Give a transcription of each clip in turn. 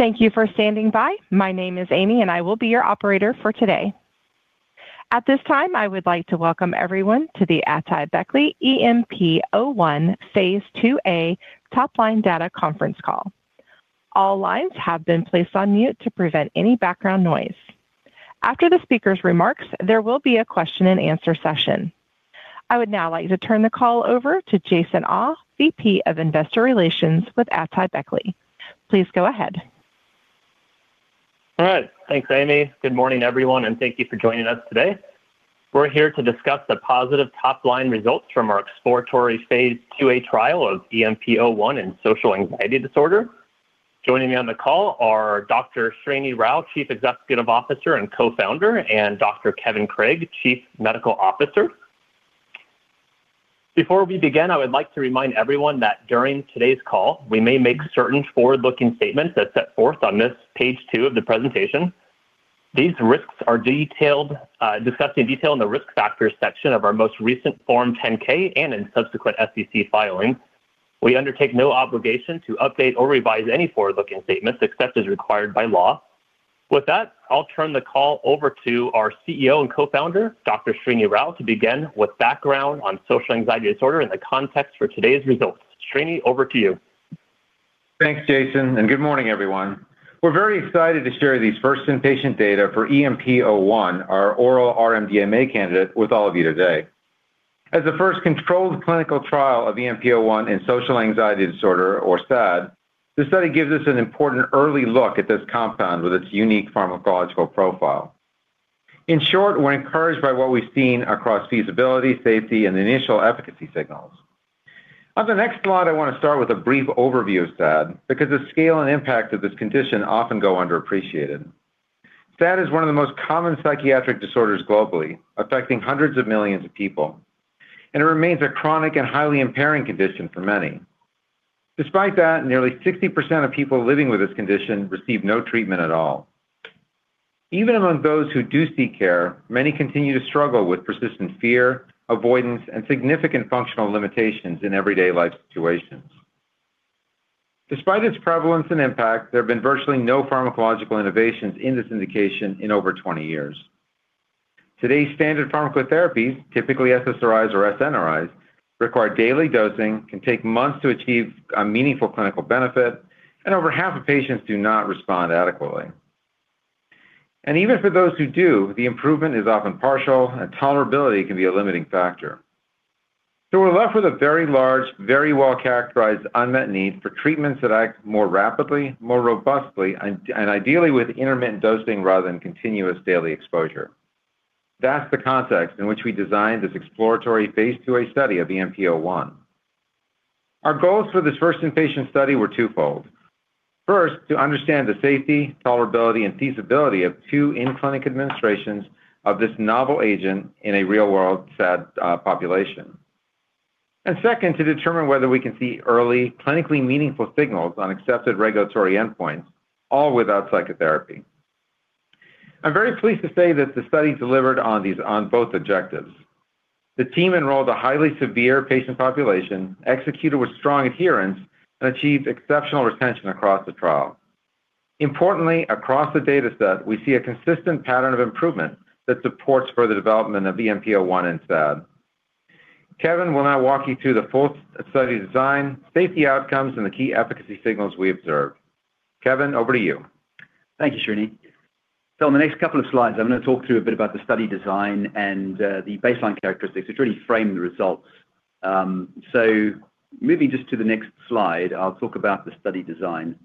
Thank you for standing by. My name is Amy, and I will be your operator for today. At this time, I would like to welcome everyone to the AtaiBeckley EMP-01, phase IIa top line data conference call. All lines have been placed on mute to prevent any background noise. After the speaker's remarks, there will be a question and answer session. I would now like to turn the call over to Jason Awe, VP of Investor Relations with AtaiBeckley. Please go ahead. All right. Thanks, Amy. Good morning, everyone, and thank you for joining us today. We're here to discuss the positive top-line results from our exploratory phase IIa trial of EMP-01 in social anxiety disorder. Joining me on the call are Dr. Srini Rao, Chief Executive Officer and Co-founder, and Dr. Kevin Craig, Chief Medical Officer. Before we begin, I would like to remind everyone that during today's call, we may make certain forward-looking statements that set forth on this page two of the presentation. These risks are detailed, discussed in detail in the risk factors section of our most recent Form 10-K and in subsequent SEC filings. We undertake no obligation to update or revise any forward-looking statements except as required by law. With that, I'll turn the call over to our CEO and Co-founder. Srini Rao, to begin with background on social anxiety disorder and the context for today's results. Srini, over to you. Thanks, Jason, and good morning, everyone. We're very excited to share these first in-patient data for EMP-01, our oral R-MDMA candidate, with all of you today. As the first controlled clinical trial of EMP-01 in social anxiety disorder or SAD, the study gives us an important early look at this compound with its unique pharmacological profile. In short, we're encouraged by what we've seen across feasibility, safety, and initial efficacy signals. On the next slide, I want to start with a brief overview of SAD because the scale and impact of this condition often go underappreciated. SAD is one of the most common psychiatric disorders globally, affecting hundreds of millions of people, and it remains a chronic and highly impairing condition for many. Despite that, nearly 60% of people living with this condition receive no treatment at all. Even among those who do seek care, many continue to struggle with persistent fear, avoidance, and significant functional limitations in everyday life situations. Despite its prevalence and impact, there have been virtually no pharmacological innovations in this indication in over 20 years. Today's standard pharmacotherapies, typically SSRIs or SNRIs, require daily dosing, can take months to achieve a meaningful clinical benefit, and over half of patients do not respond adequately. Even for those who do, the improvement is often partial, and tolerability can be a limiting factor. We're left with a very large, very well-characterized, unmet need for treatments that act more rapidly, more robustly, and ideally with intermittent dosing rather than continuous daily exposure. That's the context in which we designed this exploratory phase IIa study of EMP-01. Our goals for this first in-patient study were twofold. First, to understand the safety, tolerability, and feasibility of two in-clinic administrations of this novel agent in a real-world SAD population. Second, to determine whether we can see early, clinically meaningful signals on accepted regulatory endpoints, all without psychotherapy. I'm very pleased to say that the study delivered on both objectives. The team enrolled a highly severe patient population, executed with strong adherence, and achieved exceptional retention across the trial. Importantly, across the data set, we see a consistent pattern of improvement that supports further development of EMP-01 and SAD. Kevin will now walk you through the full study design, safety outcomes, and the key efficacy signals we observed. Kevin, over to you. Thank you, Srini. In the next couple of slides, I'm going to talk to you a bit about the study design and the baseline characteristics to really frame the results. Moving just to the next slide, I'll talk about the study design.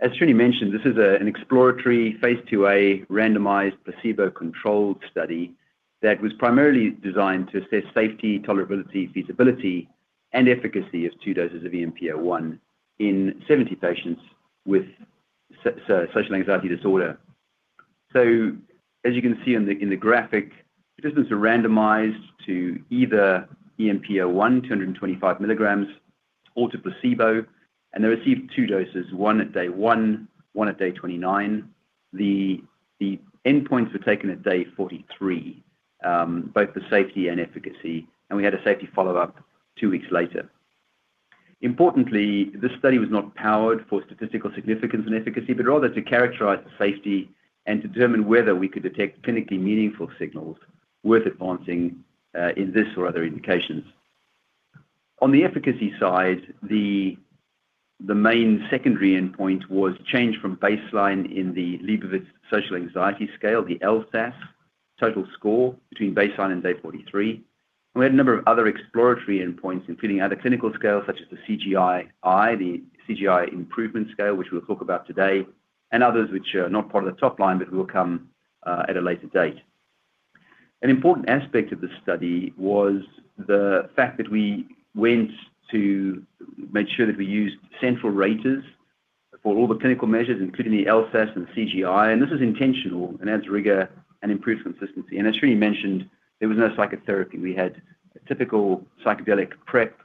As Srini mentioned, this is an exploratory phase IIa randomized, placebo-controlled study that was primarily designed to assess safety, tolerability, feasibility, and efficacy of two doses of EMP-01 in 70 patients with social anxiety disorder. As you can see in the graphic, participants are randomized to either EMP-01, 225 mg, or to placebo, and they received two doses, one at day one at day 29. The endpoints were taken at day 43, both for safety and efficacy, and we had a safety follow-up two weeks later. Importantly, this study was not powered for statistical significance and efficacy, but rather to characterize the safety and to determine whether we could detect clinically meaningful signals worth advancing in this or other indications. On the efficacy side, the main secondary endpoint was changed from baseline in the Liebowitz Social Anxiety Scale, the LSAS, total score between baseline and day 43. We had a number of other exploratory endpoints, including other clinical scales such as the CGI-I, the CGI Improvement Scale, which we'll talk about today, and others which are not part of the top line, but will come at a later date. An important aspect of this study was the fact that we went to make sure that we used central raters for all the clinical measures, including the LSAS and CGI. This was intentional and adds rigor and improved consistency. As Srini mentioned, there was no psychotherapy. We had a typical psychedelic prep,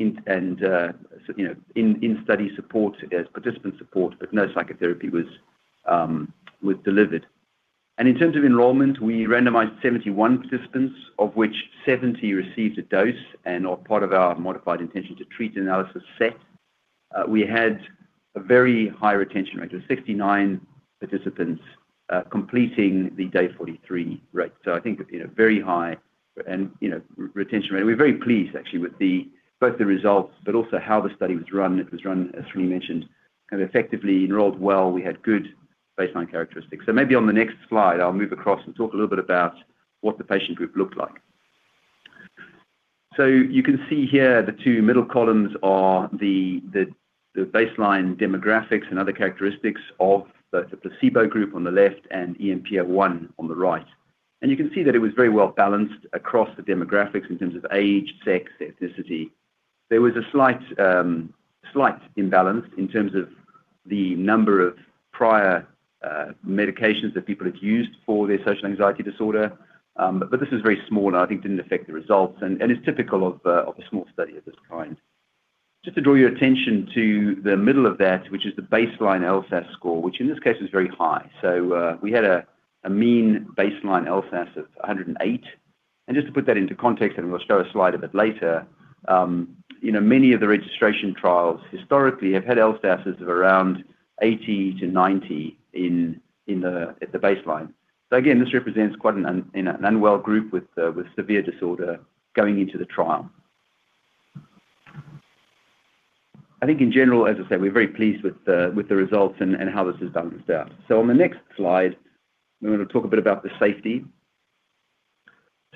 so, you know, in study support as participant support, but no psychotherapy was delivered. In terms of enrollment, we randomized 71 participants, of which 70 received a dose and are part of our modified intention to treat analysis set. We had a very high retention rate, of 69 participants, completing the day 43 rate. I think, you know, very high and, you know, retention rate. We're very pleased actually with the, both the results, but also how the study was run. It was run, as Srini mentioned, and effectively enrolled well. We had good baseline characteristics. Maybe on the next slide, I'll move across and talk a little bit about what the patient group looked like. You can see here, the two middle columns are the baseline demographics and other characteristics of both the placebo group on the left and EMP-01 on the right. You can see that it was very well balanced across the demographics in terms of age, sex, ethnicity. There was a slight imbalance in terms of the number of prior medications that people had used for their social anxiety disorder, but this is very small, and I think didn't affect the results, and it's typical of a small study of this kind. Just to draw your attention to the middle of that, which is the baseline LSAS score, which in this case is very high. We had a mean baseline LSAS of 108, and just to put that into context, and we'll show a slide a bit later, you know, many of the registration trials historically have had LSASes of around 80-90 in the at the baseline. Again, this represents quite an, you know, an unwell group with severe disorder going into the trial. I think in general, as I said, we're very pleased with the results and how this was done as well. On the next slide, we're gonna talk a bit about the safety.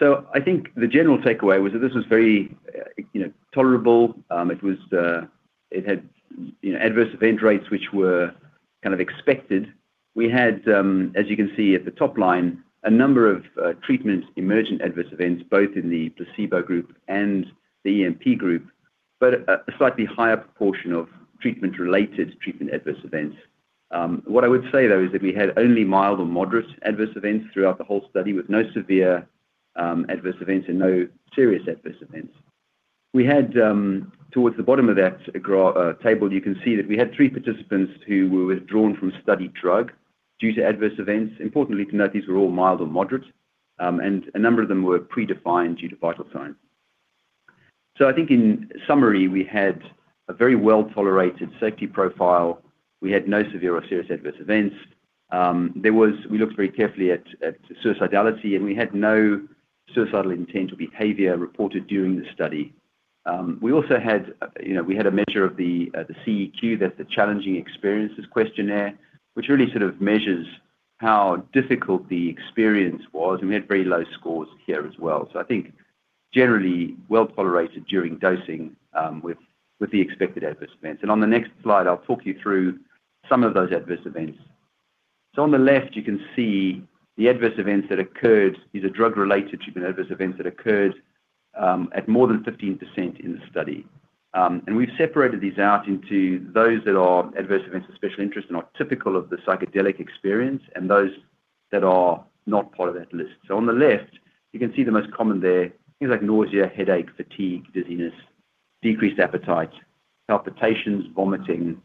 I think the general takeaway was that this was very, you know, tolerable. It had, you know, adverse event rates, which were kind of expected. We had, as you can see at the top line, a number of treatment emergent adverse events, both in the placebo group and the EMP group, a slightly higher proportion of treatment-related adverse events. What I would say, though, is that we had only mild or moderate adverse events throughout the whole study, with no severe adverse events and no serious adverse events. We had, towards the bottom of that table, you can see that we had three participants who were withdrawn from study drug due to adverse events. Importantly, to note, these were all mild or moderate, and a number of them were predefined due to vital signs. I think in summary, we had a very well-tolerated safety profile. We had no severe or serious adverse events. We looked very carefully at suicidality. We had no suicidal intent or behavior reported during the study. We also had, you know, we had a measure of the CEQ, that's the Challenging Experiences Questionnaire, which really sort of measures how difficult the experience was. We had very low scores here as well. I think generally well tolerated during dosing with the expected adverse events. On the next slide, I'll talk you through some of those adverse events. On the left, you can see the adverse events that occurred, these are drug-related treatment adverse events that occurred at more than 15% in the study. We've separated these out into those that are adverse events of special interest and are typical of the psychedelic experience, and those that are not part of that list. On the left, you can see the most common there, things like nausea, headache, fatigue, dizziness, decreased appetite, palpitations, vomiting,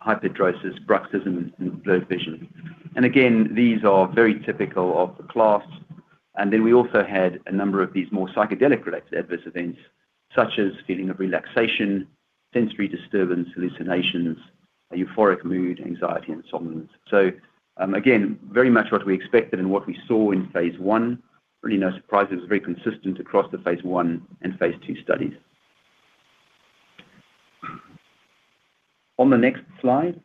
hyperhidrosis, bruxism, and blurred vision. Again, these are very typical of the class, and then we also had a number of these more psychedelic-related adverse events, such as feeling of relaxation, sensory disturbance, hallucinations, a euphoric mood, anxiety, and insomnia. Again, very much what we expected and what we saw in phase I. Really no surprises, very consistent across the phase I and phase IIb studies. On the next slide.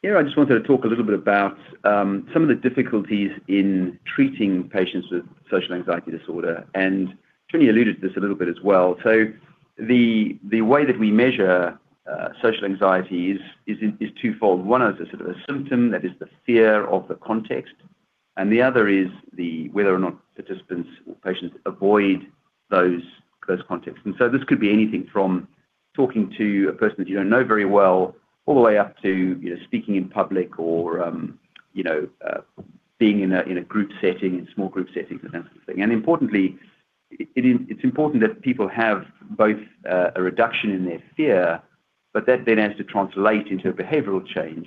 Here, I just wanted to talk a little bit about some of the difficulties in treating patients with social anxiety disorder, and Srini alluded to this a little bit as well. The way that we measure social anxiety is twofold. One is a sort of a symptom that is the fear of the context, and the other is the whether or not participants or patients avoid those contexts. This could be anything from talking to a person that you don't know very well, all the way up to, you know, speaking in public or, you know, being in a group setting, in small group settings, and that sort of thing. Importantly, it's important that people have both a reduction in their fear, but that then has to translate into a behavioral change.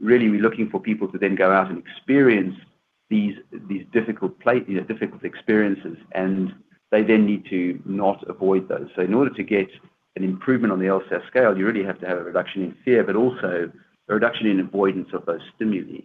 Really, we're looking for people to then go out and experience these difficult experiences, and they then need to not avoid those. In order to get an improvement on the LSAS scale, you really have to have a reduction in fear, but also a reduction in avoidance of those stimuli.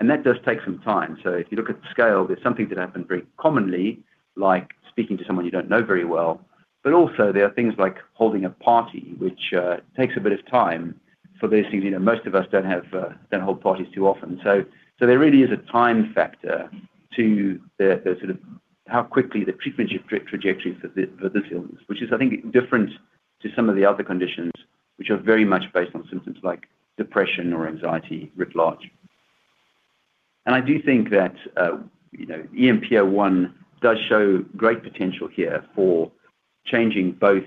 That does take some time. If you look at the scale, there's some things that happen very commonly, like speaking to someone you don't know very well, but also there are things like holding a party, which takes a bit of time for those things. You know, most of us don't have, don't hold parties too often. There really is a time factor to the sort of how quickly the treatment trajectory for this, for this illness, which is, I think, different to some of the other conditions, which are very much based on symptoms like depression or anxiety writ large. I do think that, you know, EMP-01 does show great potential here for changing both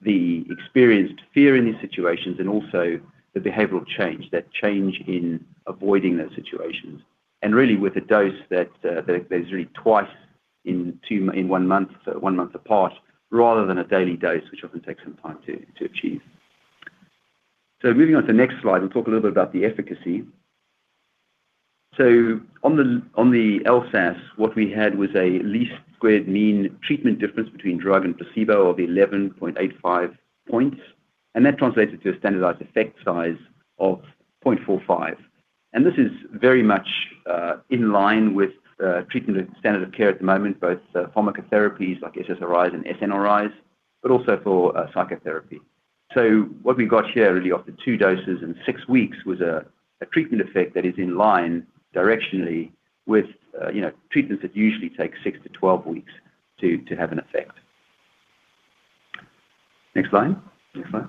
the experienced fear in these situations and also the behavioral change, that change in avoiding those situations. Really, with a dose that is really in two, one month, so one month apart, rather than a daily dose, which often takes some time to achieve. Moving on to the next slide, we'll talk a little bit about the efficacy. On the LSAS, what we had was a least squared mean treatment difference between drug and placebo of 11.85 points, and that translates to a standardized effect size of 0.45. This is very much in line with treatment standard of care at the moment, both pharmacotherapies like SSRIs and SNRIs, but also for psychotherapy. What we've got here, really, after two doses in six weeks, was a treatment effect that is in line directionally with, you know, treatments that usually take six-12 weeks to have an effect. Next slide. Next slide.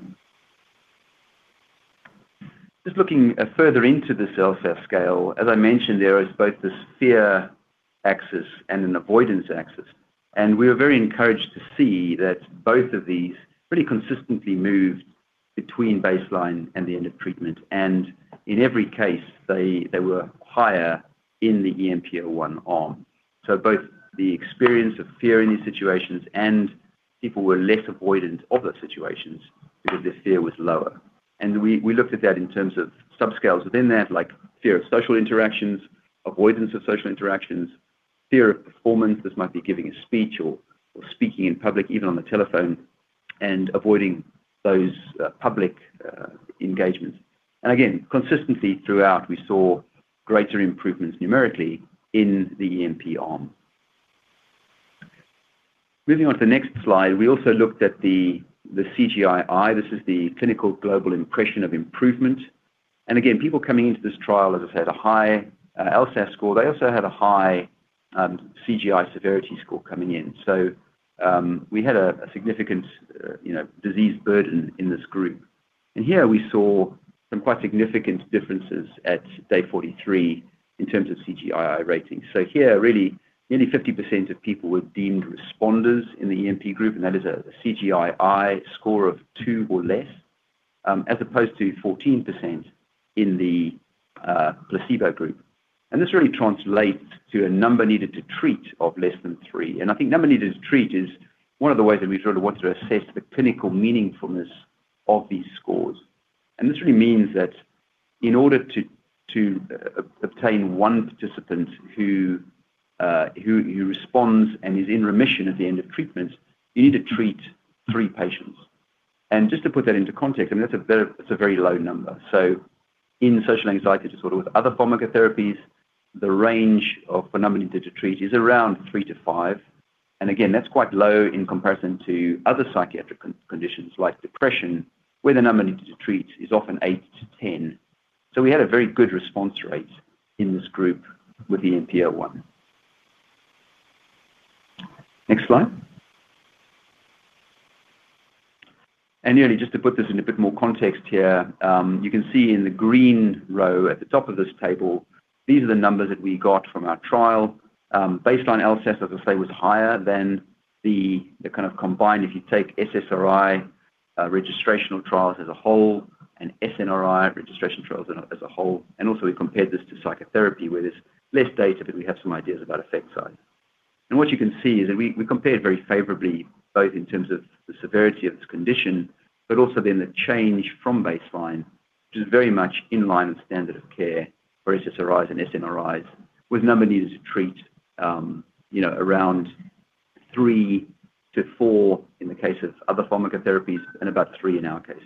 Just looking further into this LSAS scale, as I mentioned, there is both this fear axis and an avoidance axis, we were very encouraged to see that both of these pretty consistently moved between baseline and the end of treatment. In every case, they were higher in the EMP-01 arm. Both the experience of fear in these situations and people were less avoidant of those situations because their fear was lower. We looked at that in terms of subscales within that, like fear of social interactions, avoidance of social interactions, fear of performance, this might be giving a speech or speaking in public, even on the telephone, and avoiding those public engagements. Again, consistency throughout, we saw greater improvements numerically in the EMP arm. Moving on to the next slide, we also looked at the CGI-I. This is the Clinical Global Impression of Improvement. Again, people coming into this trial, as I said, a high LSAS score. They also had a high CGI severity score coming in. We had a significant, you know, disease burden in this group. Here we saw some quite significant differences at day 43 in terms of CGI-I ratings. Here, really, nearly 50% of people were deemed responders in the EMP group, and that is a CGI-I score of two or less, as opposed to 14% in the placebo group. This really translates to a number needed to treat of less than three. I think number needed to treat is one of the ways that we sort of want to assess the clinical meaningfulness of these scores. This really means that in order to obtain one participant who responds and is in remission at the end of treatment, you need to treat three patients. Just to put that into context, I mean, that's a very, it's a very low number. In social anxiety disorder with other pharmacotherapies, the range of the number needed to treat is around three-five. Again, that's quite low in comparison to other psychiatric conditions like depression, where the number needed to treat is often eight-10. We had a very good response rate in this group with the EMP-01. Next slide. Really, just to put this in a bit more context here, you can see in the green row at the top of this table, these are the numbers that we got from our trial. Baseline LSAS, as I say, was higher than the kind of combined, if you take SSRI registrational trials as a whole and SNRI registration trials as a whole. We compared this to psychotherapy, where there's less data, but we have some ideas about effect size. What you can see is that we compared very favorably, both in terms of the severity of this condition, but also then the change from baseline, which is very much in line with standard of care for SSRIs and SNRIs, with number needed to treat around three-four in the case of other pharmacotherapies, and about three in our case.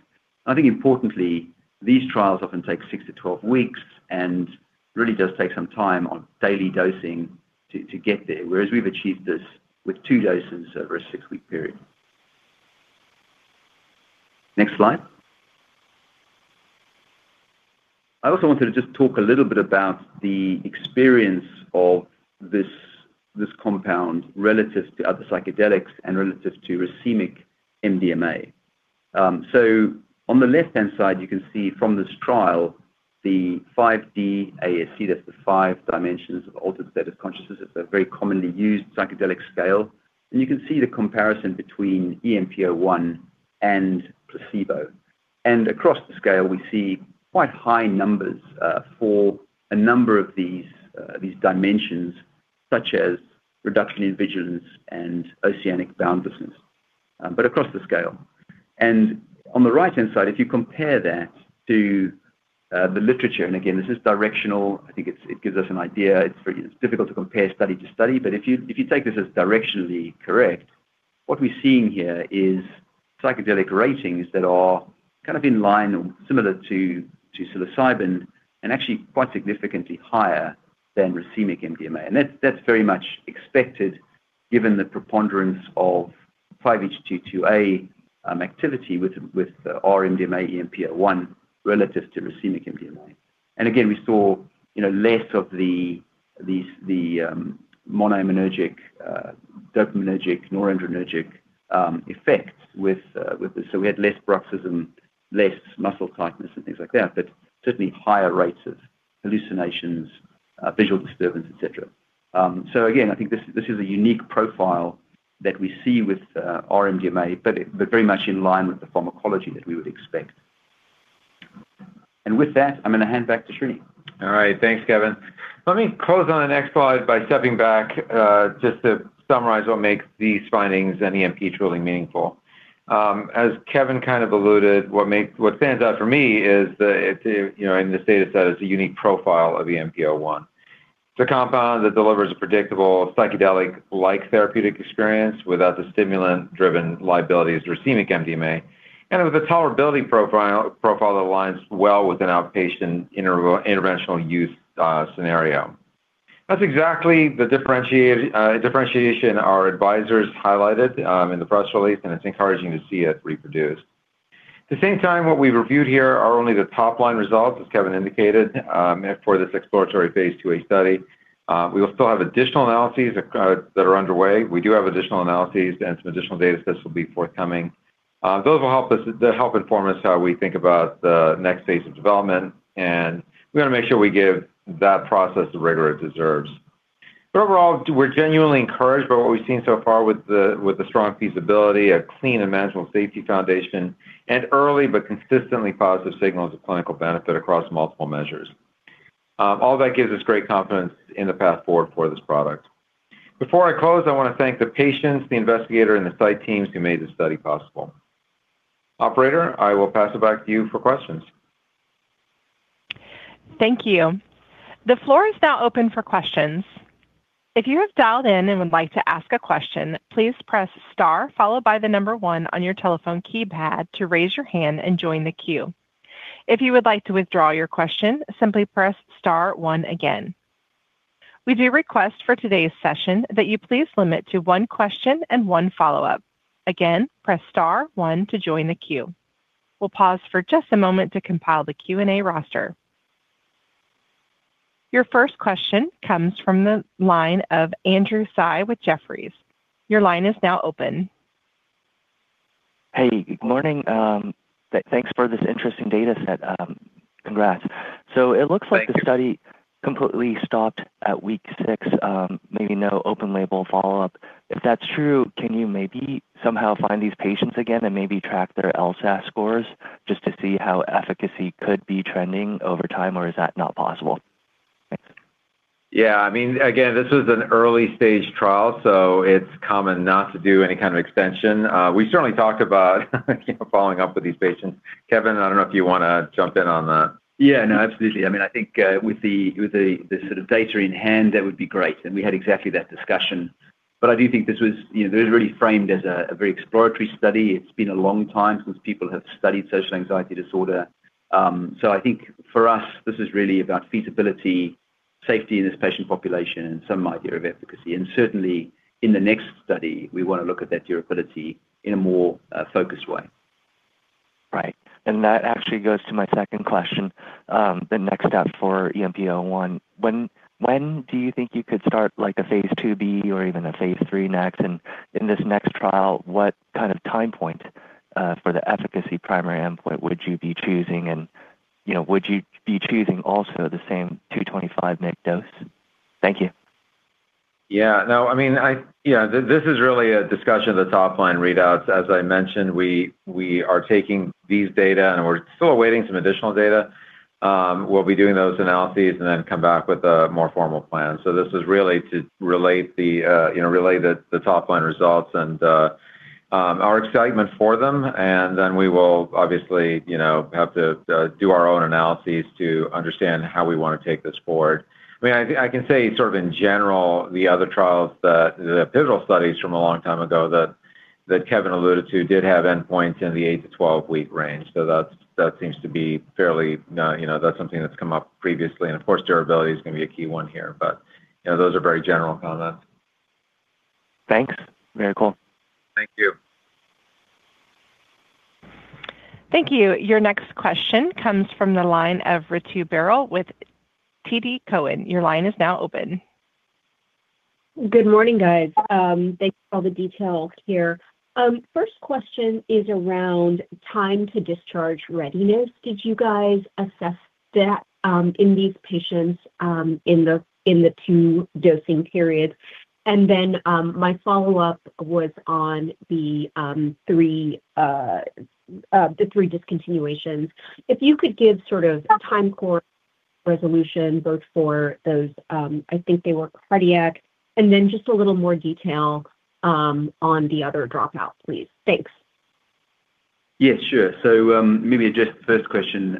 I think importantly, these trials often take six-12 weeks, and really does take some time on daily dosing to get there, whereas we've achieved this with two doses over a six week period. Next slide. I also wanted to just talk a little bit about the experience of this compound relative to other psychedelics and relative to racemic MDMA. So on the left-hand side, you can see from this trial, the 5D-ASC, that's the Five-Dimensions of Altered States of Consciousness. It's a very commonly used psychedelic scale, and you can see the comparison between EMP-01 and placebo. Across the scale, we see quite high numbers for a number of these dimensions, such as reduction in vigilance and Oceanic Boundlessness, but across the scale. On the right-hand side, if you compare that to the literature, again, this is directional, I think it gives us an idea. It's difficult to compare study to study, but if you take this as directionally correct, what we're seeing here is psychedelic ratings that are kind of in line or similar to psilocybin, actually quite significantly higher than racemic MDMA. That's very much expected, given the preponderance of 5-HT2A activity with R-MDMA, EMP-01, relative to racemic MDMA. Again, we saw, you know, less of the monoaminergic, dopaminergic, noradrenergic effect with this. We had less bruxism, less muscle tightness, and things like that, but certainly higher rates of hallucinations, visual disturbance, et cetera. Again, I think this is a unique profile that we see with R-MDMA, very much in line with the pharmacology that we would expect. With that, I'm going to hand back to Srini. All right. Thanks, Kevin. Let me close on the next slide by stepping back, just to summarize what makes these findings and EMP truly meaningful. As Kevin kind of alluded, what stands out for me is, you know, in this data set, it's a unique profile of the EMP-01. It's a compound that delivers a predictable, psychedelic-like therapeutic experience without the stimulant-driven liabilities of racemic MDMA, and with a tolerability profile that aligns well with an outpatient interventional use scenario. That's exactly the differentiation our advisors highlighted in the press release, it's encouraging to see it reproduced. At the same time, what we reviewed here are only the top-line results, as Kevin indicated, for this exploratory phase II study. We will still have additional analyses that are underway. We do have additional analyses, and some additional data sets will be forthcoming. Those will help inform us how we think about the next phase of development, and we want to make sure we give that process the rigor it deserves. Overall, we're genuinely encouraged by what we've seen so far with the strong feasibility, a clean and manageable safety foundation, and early but consistently positive signals of clinical benefit across multiple measures. All that gives us great confidence in the path forward for this product. Before I close, I want to thank the patients, the investigator, and the site teams who made this study possible. Operator, I will pass it back to you for questions. Thank you. The floor is now open for questions. If you have dialed in and would like to ask a question, please press star followed by the number one on your telephone keypad to raise your hand and join the queue. If you would like to withdraw your question, simply press star one again. We do request for today's session that you please limit to one question and one follow-up. Again, press star one to join the queue. We'll pause for just a moment to compile the Q&A roster. Your first question comes from the line of Andrew Tsai with Jefferies. Your line is now open. Hey, good morning. Thanks for this interesting data set. Congrats. Thank you. It looks like the study completely stopped at week six, maybe no open label follow-up. If that's true, can you maybe somehow find these patients again and maybe track their LSAS scores just to see how efficacy could be trending over time, or is that not possible? I mean, again, this is an early-stage trial, so it's common not to do any kind of extension. We certainly talked about following up with these patients. Kevin, I don't know if you want to jump in on that. Yeah, no, absolutely. I mean, I think, with the sort of data in hand, that would be great, and we had exactly that discussion. I do think this was, you know, this was really framed as a very exploratory study. It's been a long time since people have studied social anxiety disorder. So I think for us, this is really about feasibility, safety in this patient population, and some idea of efficacy. Certainly, in the next study, we want to look at that durability in a more focused way. Right. That actually goes to my second question. The next step for EMP-01. When do you think you could start, like, a phase IIb or even a phase III next? In this next trial, what kind of time point for the efficacy primary endpoint would you be choosing? You know, would you be choosing also the same 225 mg dose? Thank you. Yeah. No, I mean, this is really a discussion of the top-line readouts. As I mentioned, we are taking these data, and we're still awaiting some additional data. We'll be doing those analyses then come back with a more formal plan. This is really to relate the, you know, relate the top-line results and our excitement for them, then we will obviously, you know, have to do our own analyses to understand how we want to take this forward. I mean, I can say sort of in general, the other trials that the pivotal studies from a long time ago that Kevin alluded to, did have endpoints in the eight-12 week range. That seems to be fairly... You know, that's something that's come up previously, and of course, durability is going to be a key one here, but, you know, those are very general comments. Thanks. Very cool. Thank you. Thank you. Your next question comes from the line of Ritu Baral with TD Cowen. Your line is now open. Good morning, guys. Thanks for all the details here. First question is around time to discharge readiness. Did you guys assess that in these patients in the two dosing periods? My follow-up was on the three discontinuations. If you could give sort of time course resolution, both for those, I think they were cardiac, and then just a little more detail on the other dropouts, please. Thanks. Yes, sure. Maybe just the first question.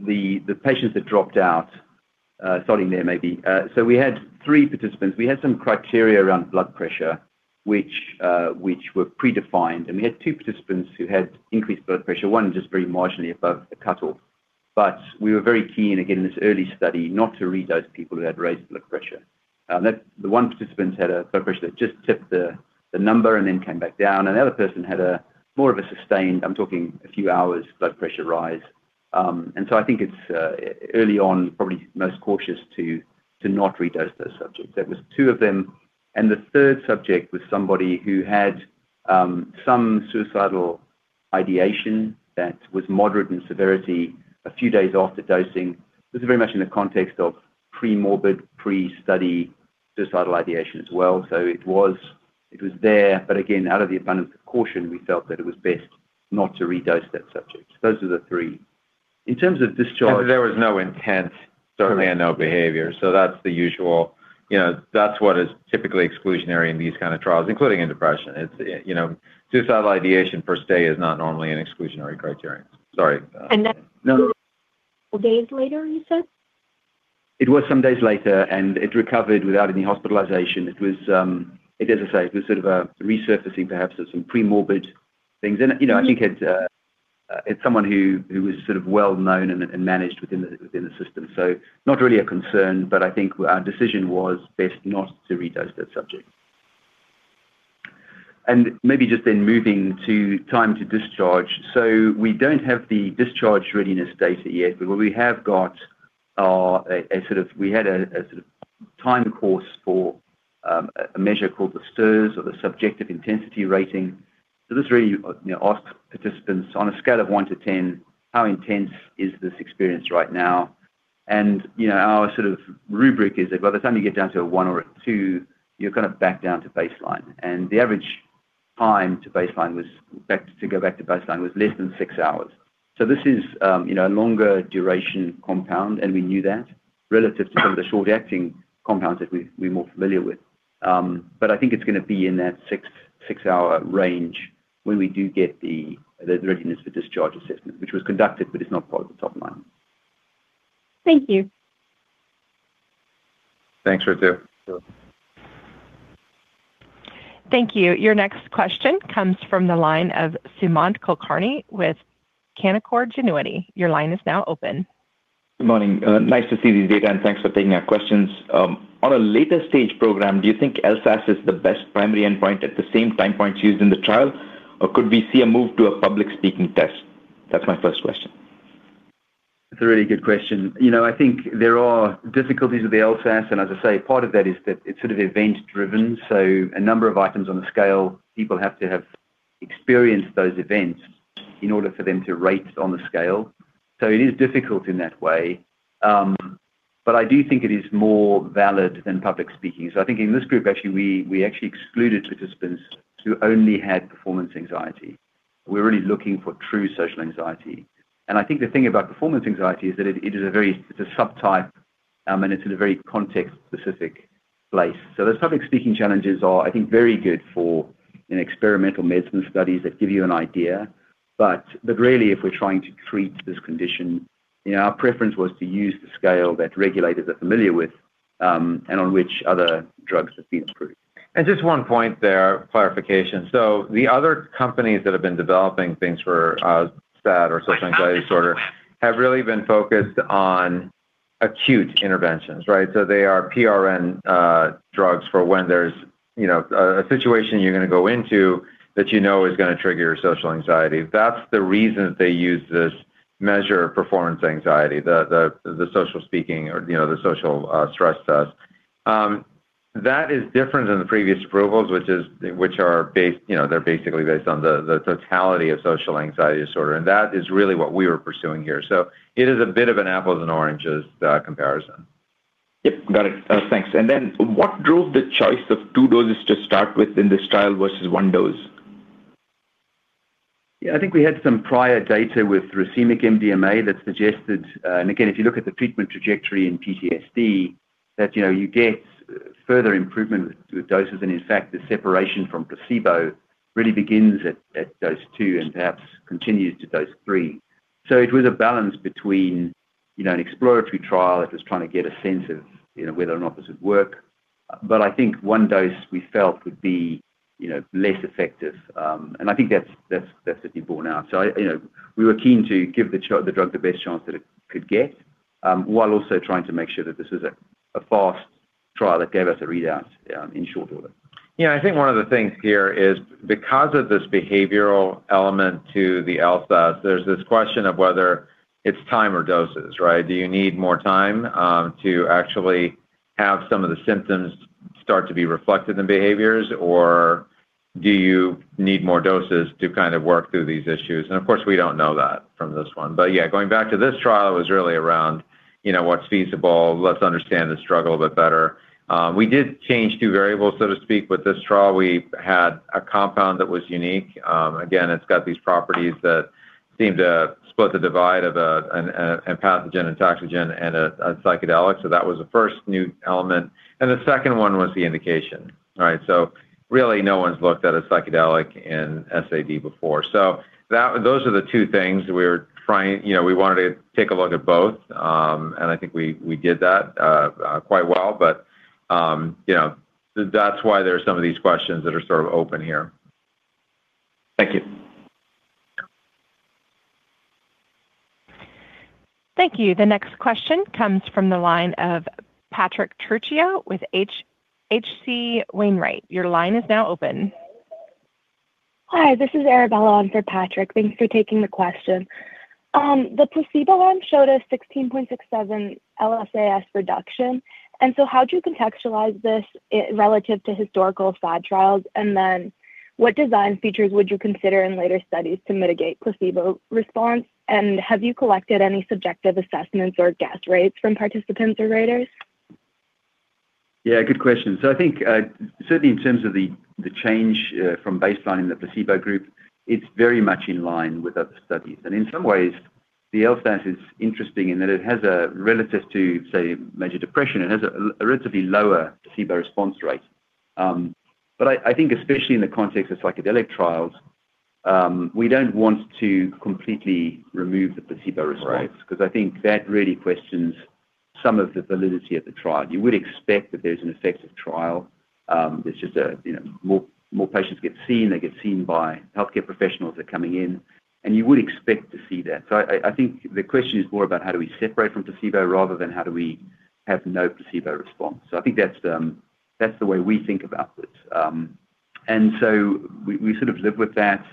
The patients that dropped out, starting there, maybe. We had three participants. We had some criteria around blood pressure, which were predefined, and we had two participants who had increased blood pressure, one just very marginally above the cutoff. We were very keen, again, in this early study, not to redose people who had raised blood pressure. That the one participant had a blood pressure that just tipped the number and then came back down. Another person had a more of a sustained, I'm talking a few hours, blood pressure rise. I think it's early on, probably most cautious to not redose those subjects. That was two of them, and the third subject was somebody who had some suicidal,... ideation that was moderate in severity a few days after dosing. This is very much in the context of pre-morbid, pre-study suicidal ideation as well. It was, it was there, but again, out of the abundance of caution, we felt that it was best not to redose that subject. Those are the three. In terms of discharge. There was no intent, certainly, and no behavior. That's the usual, you know, that's what is typically exclusionary in these kind of trials, including in depression. It's, you know, suicidal ideation per se is not normally an exclusionary criterion. Sorry. That's days later, you said? It was some days later. It recovered without any hospitalization. It was, as I say, it was sort of a resurfacing, perhaps, of some pre-morbid things in it. You know, I think it's someone who was sort of well known and managed within the system. Not really a concern, but I think our decision was best not to redose that subject. Maybe just then moving to time to discharge. We don't have the discharge readiness data yet, but what we have got are a sort of. We had a sort of time course for a measure called the STIRS, or the Subjective Intensity Rating. This really, you know, asks participants, on a scale of one-10, how intense is this experience right now? You know, our sort of rubric is that by the time you get down to a one or a two, you're kind of back down to baseline. The average time to baseline was to go back to baseline was less than six hours. This is, you know, a longer duration compound, and we knew that, relative to some of the short-acting compounds that we're more familiar with. I think it's going to be in that six-hour range when we do get the readiness for discharge assessment, which was conducted, but it's not part of the top line. Thank you. Thanks, Ritu. Thank you. Your next question comes from the line of Sumant Kulkarni with Canaccord Genuity. Your line is now open. Good morning. Nice to see these data, and thanks for taking our questions. On a later stage program, do you think LSAS is the best primary endpoint at the same time points used in the trial, or could we see a move to a public speaking test? That's my first question. That's a really good question. You know, I think there are difficulties with the LSAS, and as I say, part of that is that it's sort of event-driven. A number of items on the scale, people have to have experienced those events in order for them to rate on the scale. It is difficult in that way, but I do think it is more valid than public speaking. I think in this group, actually, we actually excluded participants who only had performance anxiety. We're really looking for true social anxiety. I think the thing about performance anxiety is that it's a subtype, and it's in a very context-specific place. The public speaking challenges are, I think, very good for in experimental medicine studies that give you an idea, but really, if we're trying to treat this condition, you know, our preference was to use the scale that regulators are familiar with, and on which other drugs have been approved. Just one point there, clarification. The other companies that have been developing things for SAD or social anxiety disorder, have really been focused on acute interventions, right? They are PRN drugs for when there's, you know, a situation you're going to go into that you know is going to trigger your social anxiety. That's the reason they use this measure of performance anxiety, the social speaking or, you know, the social stress test. That is different than the previous approvals, which are based, you know, they're basically based on the totality of social anxiety disorder, and that is really what we are pursuing here. It is a bit of an apples and oranges comparison. Yep, got it. Thanks. Then what drove the choice of two doses to start with in this trial versus one dose? I think we had some prior data with racemic MDMA that suggested, and again, if you look at the treatment trajectory in PTSD, that, you know, you get further improvement with doses, and in fact, the separation from placebo really begins at dose two and perhaps continues to dose three. It was a balance between, you know, an exploratory trial that was trying to get a sense of, you know, whether or not this would work. I think one dose we felt would be, you know, less effective, and I think that's been borne out. I, you know, we were keen to give the drug the best chance that it could get, while also trying to make sure that this is a fast trial that gave us a readout in short order. Yeah, I think one of the things here is because of this behavioral element to the LSAS, there's this question of whether it's time or doses, right? Do you need more time to actually have some of the symptoms start to be reflected in behaviors? Or do you need more doses to kind of work through these issues? Of course, we don't know that from this one. Yeah, going back to this trial, it was really around, you know, what's feasible, let's understand the struggle a bit better. We did change two variables, so to speak, with this trial. We had a compound that was unique. Again, it's got these properties that seemed to split the divide of a empathogen and entactogen and a psychedelic. That was the first new element, and the second one was the indication. All right? Really, no one's looked at a psychedelic in SAD before. Those are the two things we're trying. You know, we wanted to take a look at both, and I think we did that quite well. You know, that's why there are some of these questions that are sort of open here. Thank you. Thank you. The next question comes from the line of Patrick Trucchio with H.C. Wainwright. Your line is now open. Hi, this is Arabella on for Patrick. Thanks for taking the question. The placebo arm showed a 16.67 LSAS reduction. How do you contextualize this relative to historical SAD trials? What design features would you consider in later studies to mitigate placebo response? Have you collected any subjective assessments or guess rates from participants or raters? Yeah, good question. I think certainly in terms of the change from baseline in the placebo group, it's very much in line with other studies. In some ways, the LSAS is interesting in that it has a relative to, say, major depression. It has a relatively lower placebo response rate. I think especially in the context of psychedelic trials, we don't want to completely remove the placebo response- Right 'cause I think that really questions some of the validity of the trial. You would expect that there's an effective trial, it's just, you know, more patients get seen, they get seen by healthcare professionals are coming in, and you would expect to see that. I think the question is more about how do we separate from placebo rather than how do we have no placebo response. I think that's the way we think about this. We sort of live with that.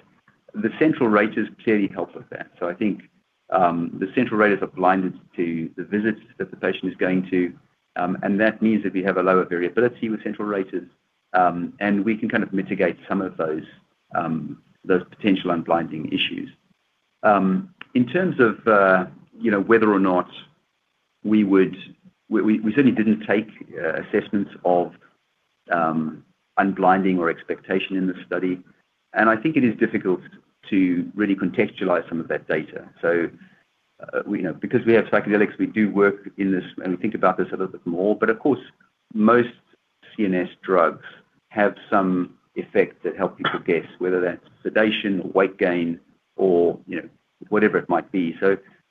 The central raters clearly help with that. I think the central raters are blinded to the visits that the patient is going to, and that means that we have a lower variability with central raters, and we can kind of mitigate some of those potential unblinding issues. In terms of, you know, whether or not we certainly didn't take assessments of unblinding or expectation in the study, and I think it is difficult to really contextualize some of that data. We, you know, because we have psychedelics, we do work in this, and we think about this a little bit more, but of course, most CNS drugs have some effect that help people guess whether that's sedation or weight gain or, you know, whatever it might be.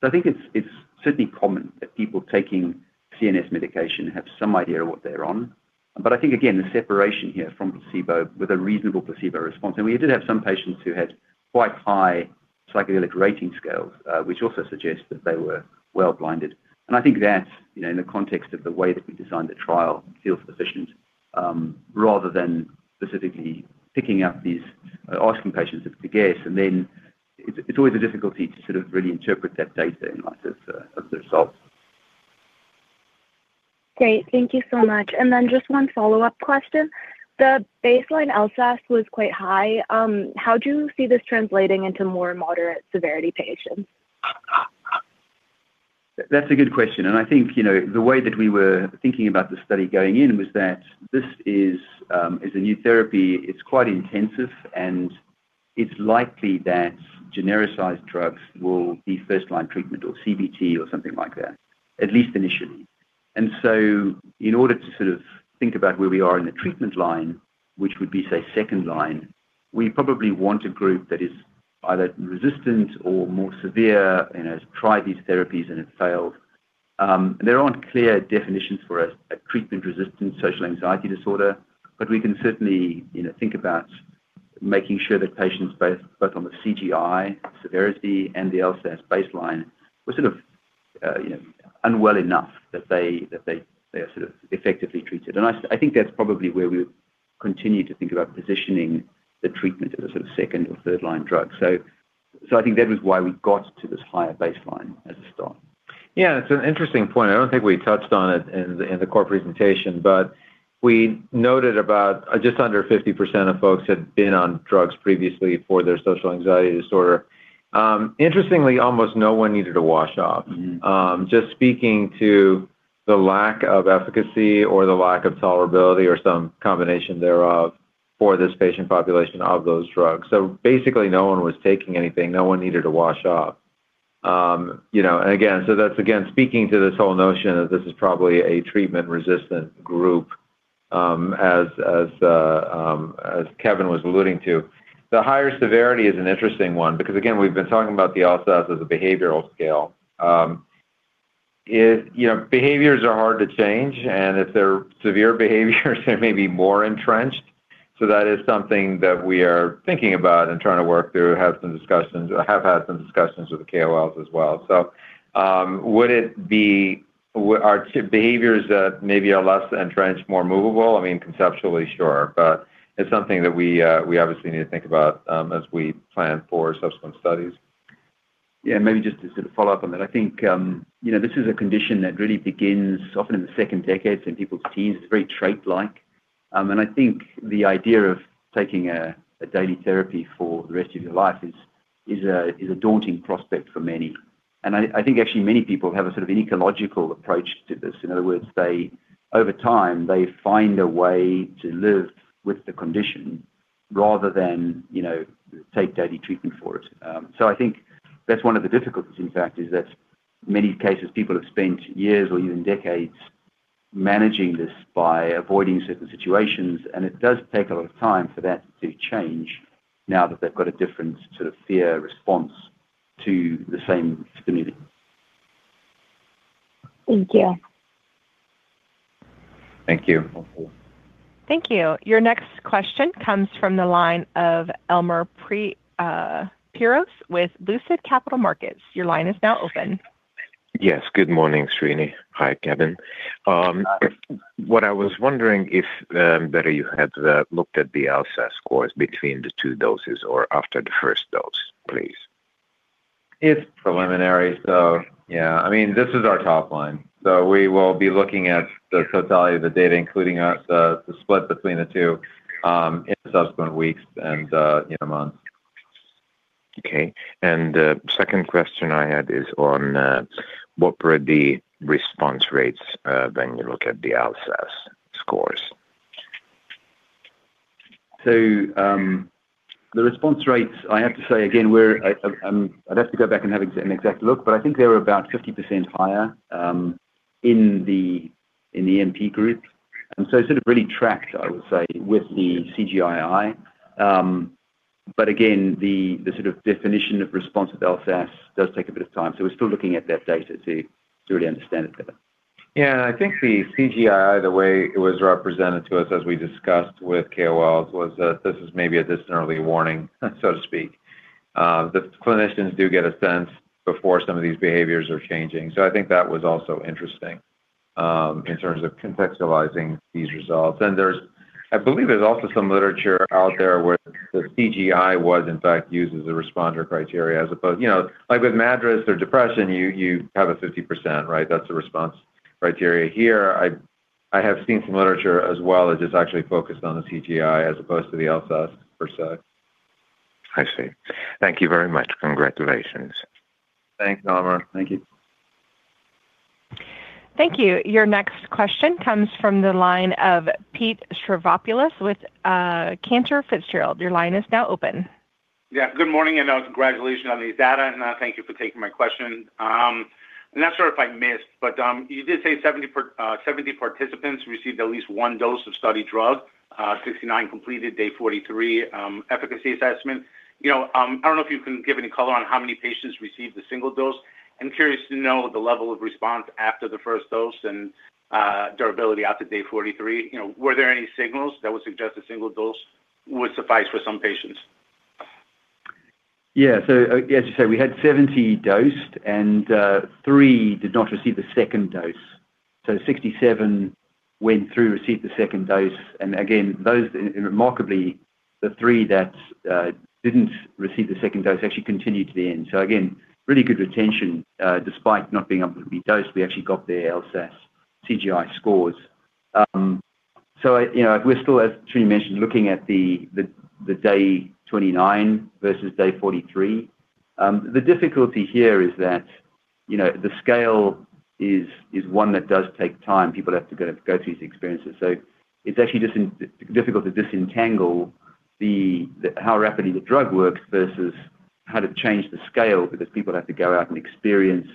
I think it's certainly common that people taking CNS medication have some idea of what they're on. I think, again, the separation here from placebo with a reasonable placebo response, and we did have some patients who had quite high psychedelic rating scales, which also suggests that they were well-blinded. I think that, you know, in the context of the way that we designed the trial, feels sufficient, rather than specifically picking out these, asking patients if to guess, and then it's always a difficulty to sort of really interpret that data in light of the results. Great. Thank you so much. Then just one follow-up question. The baseline LSAS was quite high. How do you see this translating into more moderate severity patients? That's a good question, and I think, you know, the way that we were thinking about the study going in was that this is a new therapy, it's quite intensive, and it's likely that genericized drugs will be first line treatment or CBT or something like that, at least initially. In order to sort of think about where we are in the treatment line, which would be, say, second line, we probably want a group that is either resistant or more severe and has tried these therapies and have failed. There aren't clear definitions for a treatment-resistant social anxiety disorder, but we can certainly, you know, think about making sure that patients, both on the CGI severity and the LSAS baseline, were sort of, you know, unwell enough that they are sort of effectively treated. I think that's probably where we continue to think about positioning the treatment as a sort of second or third line drug. I think that was why we got to this higher baseline as a start. It's an interesting point. I don't think we touched on it in the, in the core presentation, but we noted about just under 50% of folks had been on drugs previously for their social anxiety disorder. Interestingly, almost no one needed a wash off. Mm-hmm. Just speaking to the lack of efficacy or the lack of tolerability or some combination thereof for this patient population of those drugs. Basically, no one was taking anything, no one needed to wash off. You know, and again, that's again, speaking to this whole notion that this is probably a treatment-resistant group, as, as Kevin was alluding to. The higher severity is an interesting one because, again, we've been talking about the LSAS as a behavioral scale. It, you know, behaviors are hard to change, and if they're severe behaviors, they may be more entrenched. That is something that we are thinking about and trying to work through, have some discussions or have had some discussions with the KOLs as well. Would it be are behaviors that maybe are less entrenched, more movable? I mean, conceptually, sure, but it's something that we obviously need to think about, as we plan for subsequent studies. Yeah, maybe just to sort of follow up on that. I think, you know, this is a condition that really begins often in the second decade, in people's teens. It's very trait-like. I think the idea of taking a daily therapy for the rest of your life is a, is a daunting prospect for many. I think actually many people have a sort of an ecological approach to this. In other words, they, over time, they find a way to live with the condition rather than, you know, take daily treatment for it. I think that's one of the difficulties, in fact, is that many cases, people have spent years or even decades managing this by avoiding certain situations, and it does take a lot of time for that to change now that they've got a different sort of fear response to the same stimuli. Thank you. Thank you. Thank you. Your next question comes from the line of Elemer Piros, with Lucid Capital Markets. Your line is now open. Yes, good morning, Srini. Hi, Kevin. What I was wondering if whether you had looked at the LSAS scores between the two doses or after the first dose, please? It's preliminary, so yeah. I mean, this is our top line. We will be looking at the totality of the data, including the split between the two, in subsequent weeks and in months. Okay. The second question I had is on, what were the response rates, when you look at the LSAS scores? The response rates, I have to say again, we're. I'd have to go back and have an exact look, but I think they were about 50% higher in the MP group. It sort of really tracked, I would say, with the CGI-I. The sort of definition of response with LSAS does take a bit of time, so we're still looking at that data to really understand it better. I think the CGI, the way it was represented to us as we discussed with KOLs, was that this is maybe a distant early warning, so to speak. The clinicians do get a sense before some of these behaviors are changing, so I think that was also interesting, in terms of contextualizing these results. I believe there's also some literature out there where the CGI was, in fact, used as a responder criteria as opposed... You know, like, with MADRS or depression, you have a 50%, right? That's the response criteria. Here, I have seen some literature as well that is actually focused on the CGI as opposed to the LSAS per se. I see. Thank you very much. Congratulations. Thanks, Elemer. Thank you. Thank you. Your next question comes from the line of Pete Stavropoulos with Cantor Fitzgerald. Your line is now open. Good morning, and congratulations on these data, and thank you for taking my question. I'm not sure if I missed, but you did say 70 participants received at least one dose of study drug, 69 completed day 43 efficacy assessment. You know, I don't know if you can give any color on how many patients received the single dose. I'm curious to know the level of response after the first dose and durability out to day 43. You know, were there any signals that would suggest a single dose would suffice for some patients? As you say, we had 70 dosed, three did not receive the second dose. 67 went through, received the second dose, and remarkably, the three that didn't receive the second dose actually continued to the end. Again, really good retention, despite not being able to be dosed, we actually got their LSAS CGI scores. You know, we're still, as Srini mentioned, looking at the day 29 versus day 43. The difficulty here is that, you know, the scale is one that does take time. People have to go through these experiences. It's actually difficult to disentangle the how rapidly the drug works versus how to change the scale, because people have to go out and experience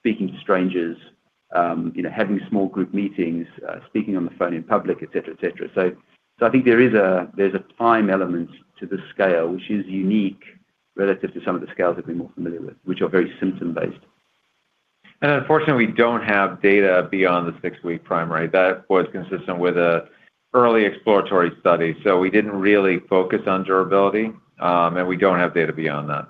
speaking to strangers, you know, having small group meetings, speaking on the phone in public, et cetera, et cetera. I think there's a time element to the scale, which is unique relative to some of the scales that we're more familiar with, which are very symptom-based. Unfortunately, we don't have data beyond the six-week primary. That was consistent with an early exploratory study. We didn't really focus on durability, and we don't have data beyond that.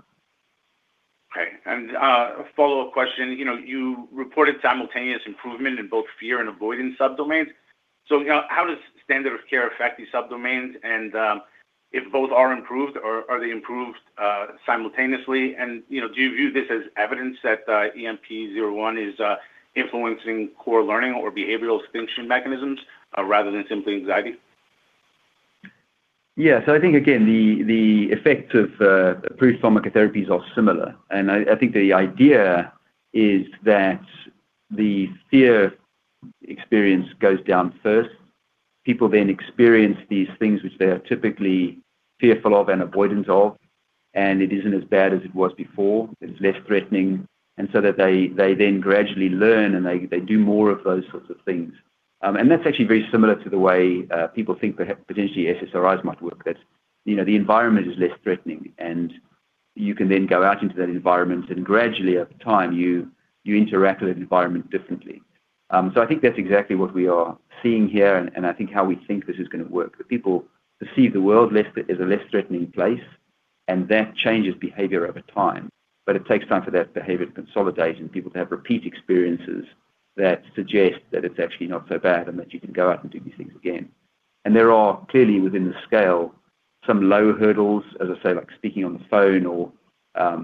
Okay, a follow-up question: You know, you reported simultaneous improvement in both fear and avoidance subdomains. You know, how does standard of care affect these subdomains? If both are improved, are they improved simultaneously? You know, do you view this as evidence that EMP-01 is influencing core learning or behavioral extinction mechanisms, rather than simply anxiety? Yeah. I think, again, the effect of approved pharmacotherapies are similar. I think the idea is that the fear experience goes down first. People then experience these things which they are typically fearful of and avoidant of, and it isn't as bad as it was before. It's less threatening, they then gradually learn, and they do more of those sorts of things. That's actually very similar to the way people think perhaps potentially SSRIs might work. You know, the environment is less threatening, and you can then go out into that environment and gradually, over time, you interact with the environment differently. I think that's exactly what we are seeing here, and I think how we think this is gonna work. The people perceive the world less, as a less threatening place, and that changes behavior over time, but it takes time for that behavior to consolidate and people to have repeat experiences that suggest that it's actually not so bad and that you can go out and do these things again. There are clearly within the scale, some low hurdles, as I say, like speaking on the phone or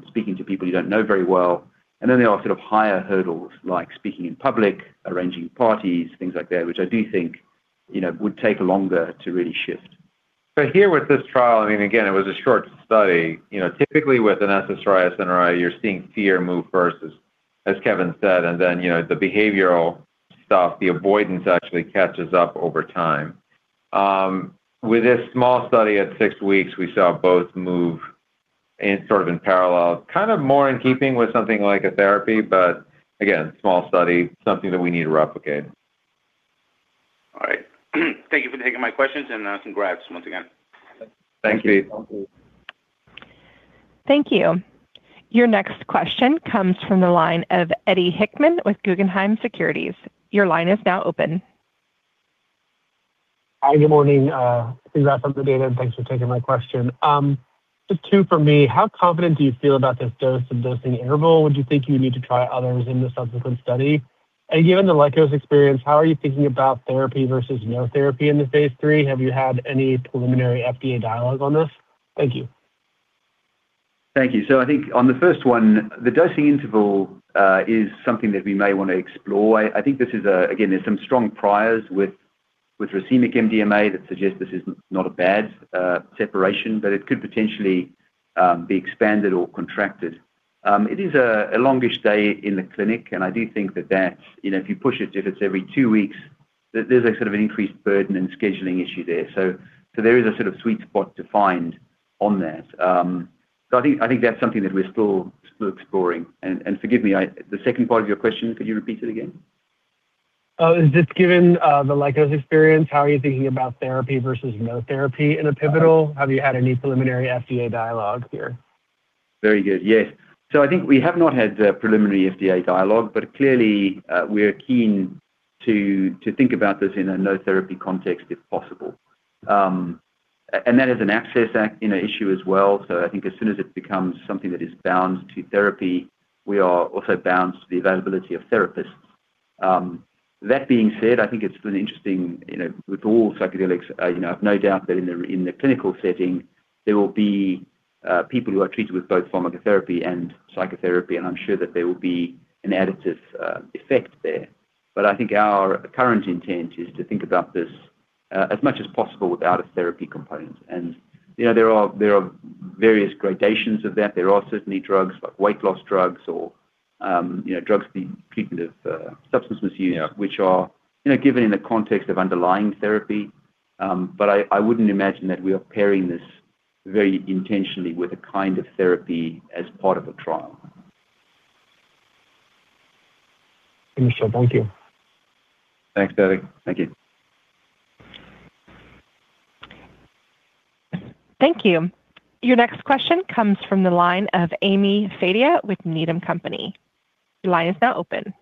speaking to people you don't know very well, and then there are sort of higher hurdles, like speaking in public, arranging parties, things like that, which I do think, you know, would take longer to really shift. Here with this trial, I mean, again, it was a short study. You know, typically with an SSRI or SNRI, you're seeing fear move first, as Kevin said, and then, you know, the behavioral stuff, the avoidance actually catches up over time. With this small study at six weeks, we saw both move in sort of in parallel, kind of more in keeping with something like a therapy, but again, small study, something that we need to replicate. All right. Thank you for taking my questions. Congrats once again. Thank you. Thank you. Thank you. Your next question comes from the line of Eddie Hickman with Guggenheim Securities. Your line is now open. Hi, good morning, congrats on the data, and thanks for taking my question. Just two for me. How confident do you feel about this dose and dosing interval? Would you think you need to try others in the subsequent study? Given the Lykos experience, how are you thinking about therapy versus no therapy in the phase III? Have you had any preliminary FDA dialogue on this? Thank you. Thank you. I think on the first one, the dosing interval is something that we may want to explore. Again, there's some strong priors with racemic MDMA that suggest this is not a bad separation, but it could potentially be expanded or contracted. It is a longish day in the clinic, and I do think that, you know, if you push it, if it's every two weeks, there's a sort of an increased burden and scheduling issue there. There is a sort of sweet spot to find on that. I think that's something that we're still exploring. Forgive me, the second part of your question, could you repeat it again? Oh, just given the Lykos experience, how are you thinking about therapy versus no therapy in a pivotal? Have you had any preliminary FDA dialogue here? Very good. Yes. I think we have not had a preliminary FDA dialogue, but clearly, we're keen to think about this in a no therapy context if possible. And that is an access, you know, issue as well, so I think as soon as it becomes something that is bound to therapy, we are also bound to the availability of therapists. That being said, I think it's been interesting, you know, with all psychedelics, you know, I've no doubt that in the clinical setting, there will be people who are treated with both pharmacotherapy and psychotherapy, and I'm sure that there will be an additive effect there. I think our current intent is to think about this as much as possible without a therapy component. You know, there are various gradations of that. There are certainly drugs, like weight loss drugs or, you know, drugs for the treatment of substance misuse- Yeah... which are, you know, given in the context of underlying therapy. I wouldn't imagine that we are pairing this very intentionally with a kind of therapy as part of a trial. Thank you, sir. Thank you. Thanks, Eddie. Thank you. Thank you. Your next question comes from the line of Ami Fadia with Needham & Company. Your line is now open.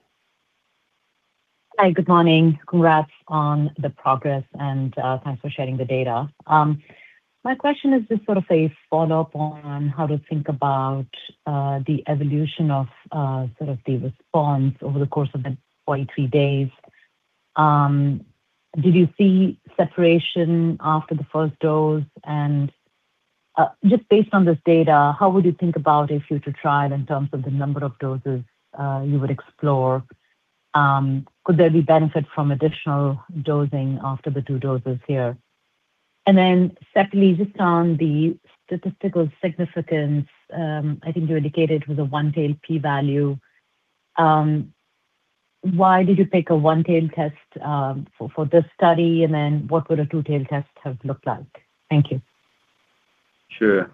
Hi, good morning. Congrats on the progress, thanks for sharing the data. My question is just sort of a follow-up on how to think about the evolution of sort of the response over the course of the 43 days. Did you see separation after the first dose? Just based on this data, how would you think about a future trial in terms of the number of doses you would explore? Could there be benefit from additional dosing after the two doses here? Secondly, just on the statistical significance, I think you indicated it was a one-tailed p-value. Why did you pick a one-tailed test for this study? What would a two-tailed test have looked like? Thank you. Sure.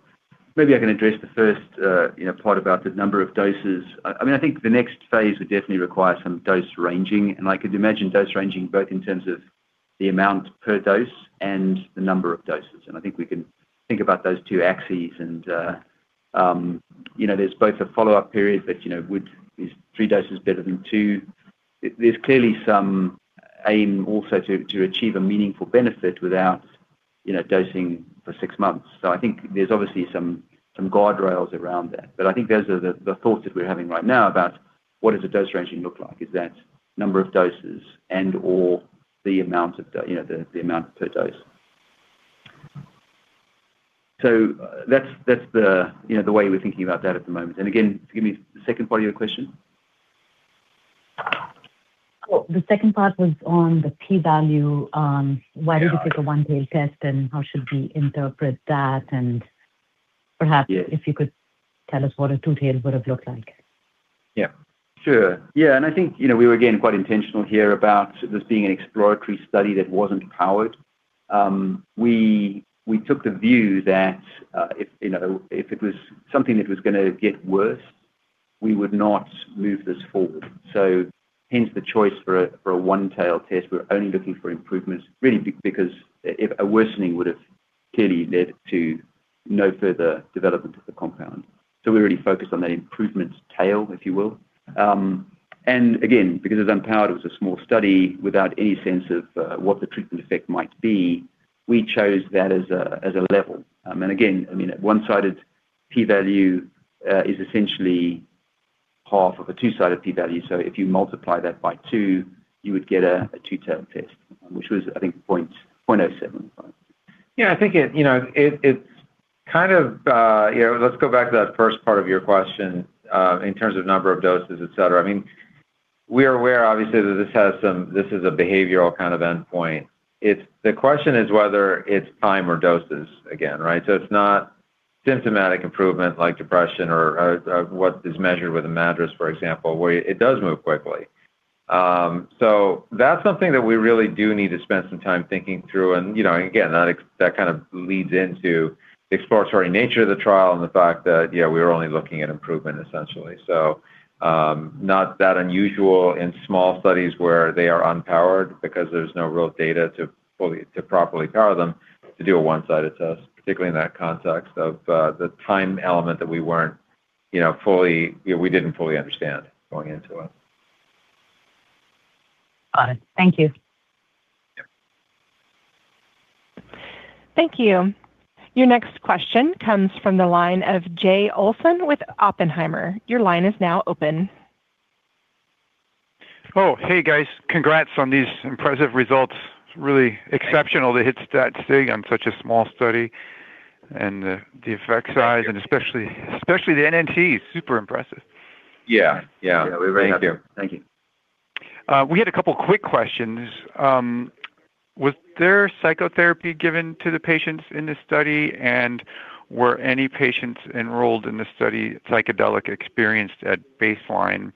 Maybe I can address the first, you know, part about the number of doses. I mean, I think the next phase would definitely require some dose ranging, and I could imagine dose ranging both in terms of the amount per dose and the number of doses. I think we can think about those two axes and, you know, there's both a follow-up period, but, you know, would these six doses better than two? There's clearly some aim also to achieve a meaningful benefit without, you know, dosing for six months. I think there's obviously some guardrails around that. I think those are the thoughts that we're having right now about what does a dose ranging look like? Is that number of doses and/or the amount of, you know, the amount per dose? That's, that's the, you know, the way we're thinking about that at the moment. Again, forgive me, the second part of your question? The second part was on the p-value. Got it. Why did you pick a one-tailed test, and how should we interpret that? Perhaps. Yeah if you could tell us what a two-tailed would have looked like. Yeah. Sure. I think, you know, we were again, quite intentional here about this being an exploratory study that wasn't powered. We took the view that, if, you know, if it was something that was gonna get worse, we would not move this forward. Hence the choice for a one-tailed test. We're only looking for improvements, really, because a worsening would have clearly led to no further development of the compound. We're really focused on that improvement tail, if you will. And again, because it was unpowered, it was a small study without any sense of what the treatment effect might be, we chose that as a level. And again, I mean, a one-sided p-value is essentially half of a two-sided p-value. If you multiply that by two, you would get a two tailed test, which was, I think, 0.07. I think it, you know, it's kind of. You know, let's go back to that first part of your question in terms of number of doses, et cetera. I mean, we are aware, obviously, that this is a behavioral kind of endpoint. The question is whether it's time or doses again, right? It's not symptomatic improvement like depression or what is measured with a MADRS, for example, where it does move quickly. That's something that we really do need to spend some time thinking through. You know, again, that kind of leads into the exploratory nature of the trial and the fact that, yeah, we're only looking at improvement essentially. Not that unusual in small studies where they are unpowered because there's no real data to properly power them, to do a one-sided test, particularly in that context of the time element that we weren't, you know, we didn't fully understand going into it. Got it. Thank you. Yep. Thank you. Your next question comes from the line of Jay Olson with Oppenheimer. Your line is now open. Hey, guys. Congrats on these impressive results. Really exceptional to hit that thing on such a small study, and the effect size, and especially the NNT, super impressive. Yeah. Yeah. Yeah, we're very happy. Thank you. We had a couple of quick questions. Was there psychotherapy given to the patients in this study? Were any patients enrolled in this study psychedelic experienced at baseline?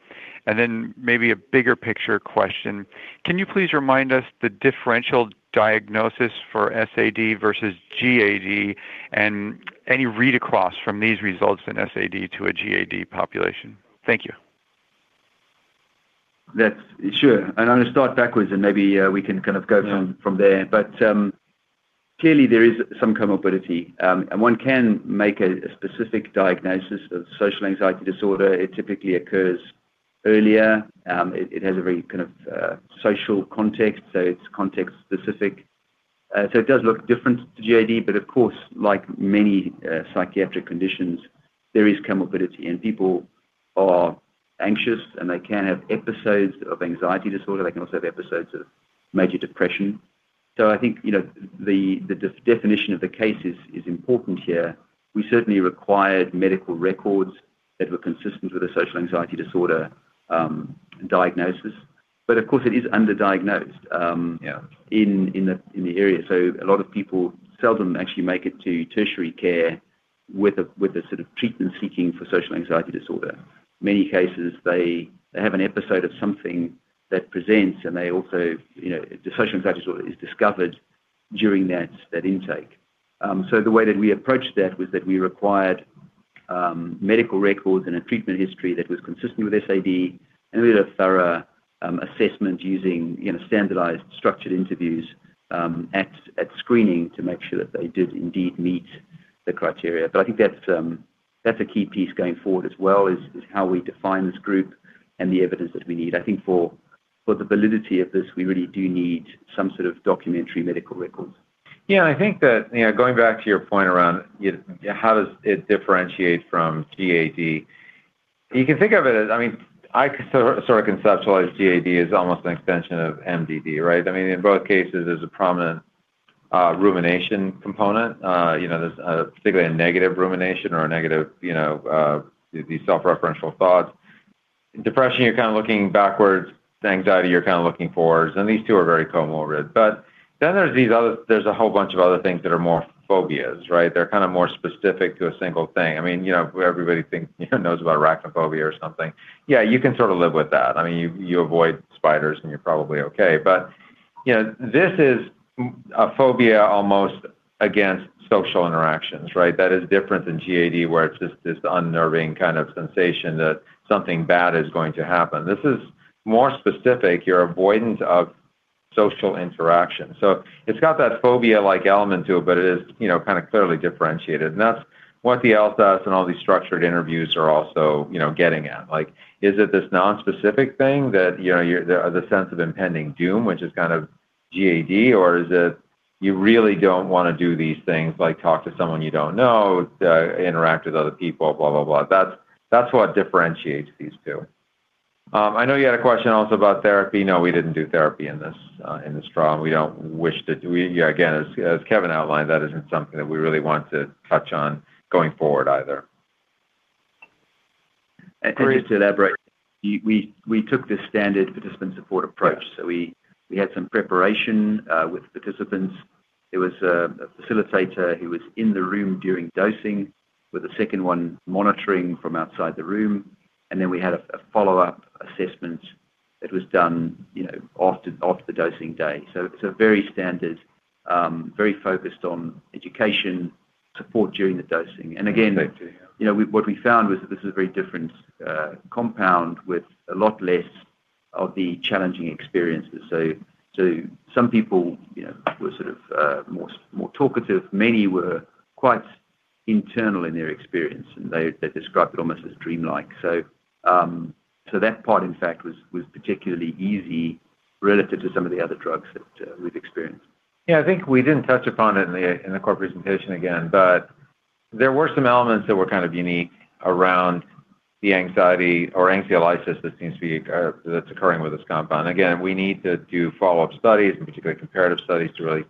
Maybe a bigger picture question, can you please remind us the differential diagnosis for SAD versus GAD and any read across from these results in SAD to a GAD population? Thank you. That's... Sure. I'm going to start backwards, and maybe, we can kind of go from... Yeah From there. Clearly, there is some comorbidity, and one can make a specific diagnosis of social anxiety disorder. It typically occurs earlier. It has a very kind of social context, so it's context-specific. So it does look different to GAD, but of course, like many psychiatric conditions, there is comorbidity, and people are anxious, and they can have episodes of anxiety disorder. They can also have episodes of major depression. I think, you know, the definition of the cases is important here. We certainly required medical records that were consistent with a social anxiety disorder diagnosis, but of course, it is underdiagnosed. Yeah... in the area. A lot of people seldom actually make it to tertiary care with a sort of treatment seeking for social anxiety disorder. Many cases, they have an episode of something that presents, and they also, you know, the social anxiety disorder is discovered during that intake. The way that we approached that was that we required medical records and a treatment history that was consistent with SAD, and we had a thorough assessment using, you know, standardized structured interviews at screening to make sure that they did indeed meet the criteria. I think that's a key piece going forward as well, is how we define this group and the evidence that we need. I think for the validity of this, we really do need some sort of documentary medical records. I think that, you know, going back to your point around, you know, how does it differentiate from GAD? You can think of it as, I mean, I sort of conceptualize GAD as almost an extension of MDD, right? I mean, in both cases, there's a prominent rumination component. You know, there's particularly a negative rumination or a negative, you know, these self-referential thoughts. Depression, you're kind of looking backwards, anxiety, you're kind of looking forward, and these two are very comorbid, but then there's a whole bunch of other things that are more phobias, right? They're kind of more specific to a single thing. I mean, you know, everybody thinks, you know, knows about arachnophobia or something. You can sort of live with that. I mean, you avoid spiders, and you're probably okay, but, you know, this is a phobia almost against social interactions, right? That is different than GAD, where it's just this unnerving kind of sensation that something bad is going to happen. This is more specific, you're avoidant of social interaction. It's got that phobia-like element to it, but it is, you know, kind of clearly differentiated. That's what the LSAS and all these structured interviews are also, you know, getting at. Like, is it this nonspecific thing that, you know, the sense of impending doom, which is kind of GAD, or is it you really don't want to do these things, like talk to someone you don't know, interact with other people, blah, blah? That's what differentiates these two. I know you had a question also about therapy. No, we didn't do therapy in this trial. We don't wish to. We, again, as Kevin outlined, that isn't something that we really want to touch on going forward either. Just to elaborate, we took the standard participant support approach. We had some preparation with participants. There was a facilitator who was in the room during dosing, with a second one monitoring from outside the room, and then we had a follow-up assessment that was done, you know, after the dosing day. It's a very standard, very focused on education, support during the dosing. Exactly, yeah. Again, you know, what we found was that this is a very different compound with a lot less of the challenging experiences. Some people, you know, were sort of more talkative. Many were quite internal in their experience, and they described it almost as dreamlike. That part, in fact, was particularly easy relative to some of the other drugs that we've experienced. I think we didn't touch upon it in the core presentation again, but there were some elements that were kind of unique around the anxiety or anxiolysis that seems to be that's occurring with this compound. We need to do follow-up studies, in particular, comparative studies, to really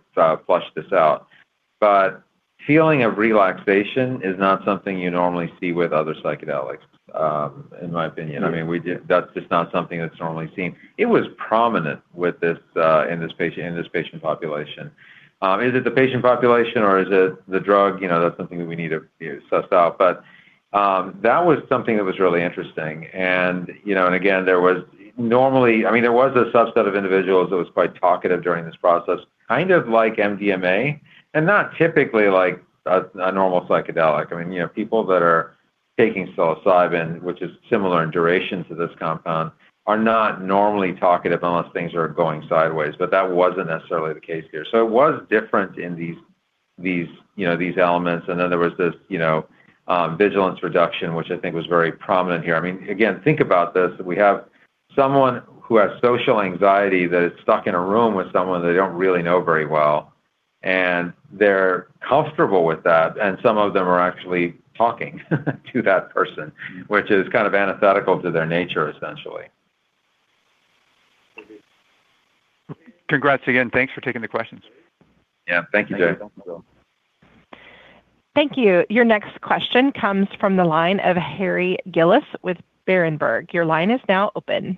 flush this out. Feeling of relaxation is not something you normally see with other psychedelics, in my opinion. Mm-hmm. I mean, that's just not something that's normally seen. It was prominent with this in this patient, in this patient population. Is it the patient population or is it the drug? You know, that's something that we need to suss out, but that was something that was really interesting. You know, and again, I mean, there was a subset of individuals that was quite talkative during this process, kind of like MDMA, and not typically like a normal psychedelic. I mean, you know, people that are taking psilocybin, which is similar in duration to this compound, are not normally talkative unless things are going sideways, but that wasn't necessarily the case here. It was different in these-... these, you know, these elements, and then there was this, you know, vigilance reduction, which I think was very prominent here. I mean, again, think about this. We have someone who has social anxiety that is stuck in a room with someone they don't really know very well, and they're comfortable with that, and some of them are actually talking to that person, which is kind of antithetical to their nature, essentially. Congrats again. Thanks for taking the questions. Yeah. Thank you, Jay. Thank you. Your next question comes from the line of Harry Gillis with Berenberg. Your line is now open.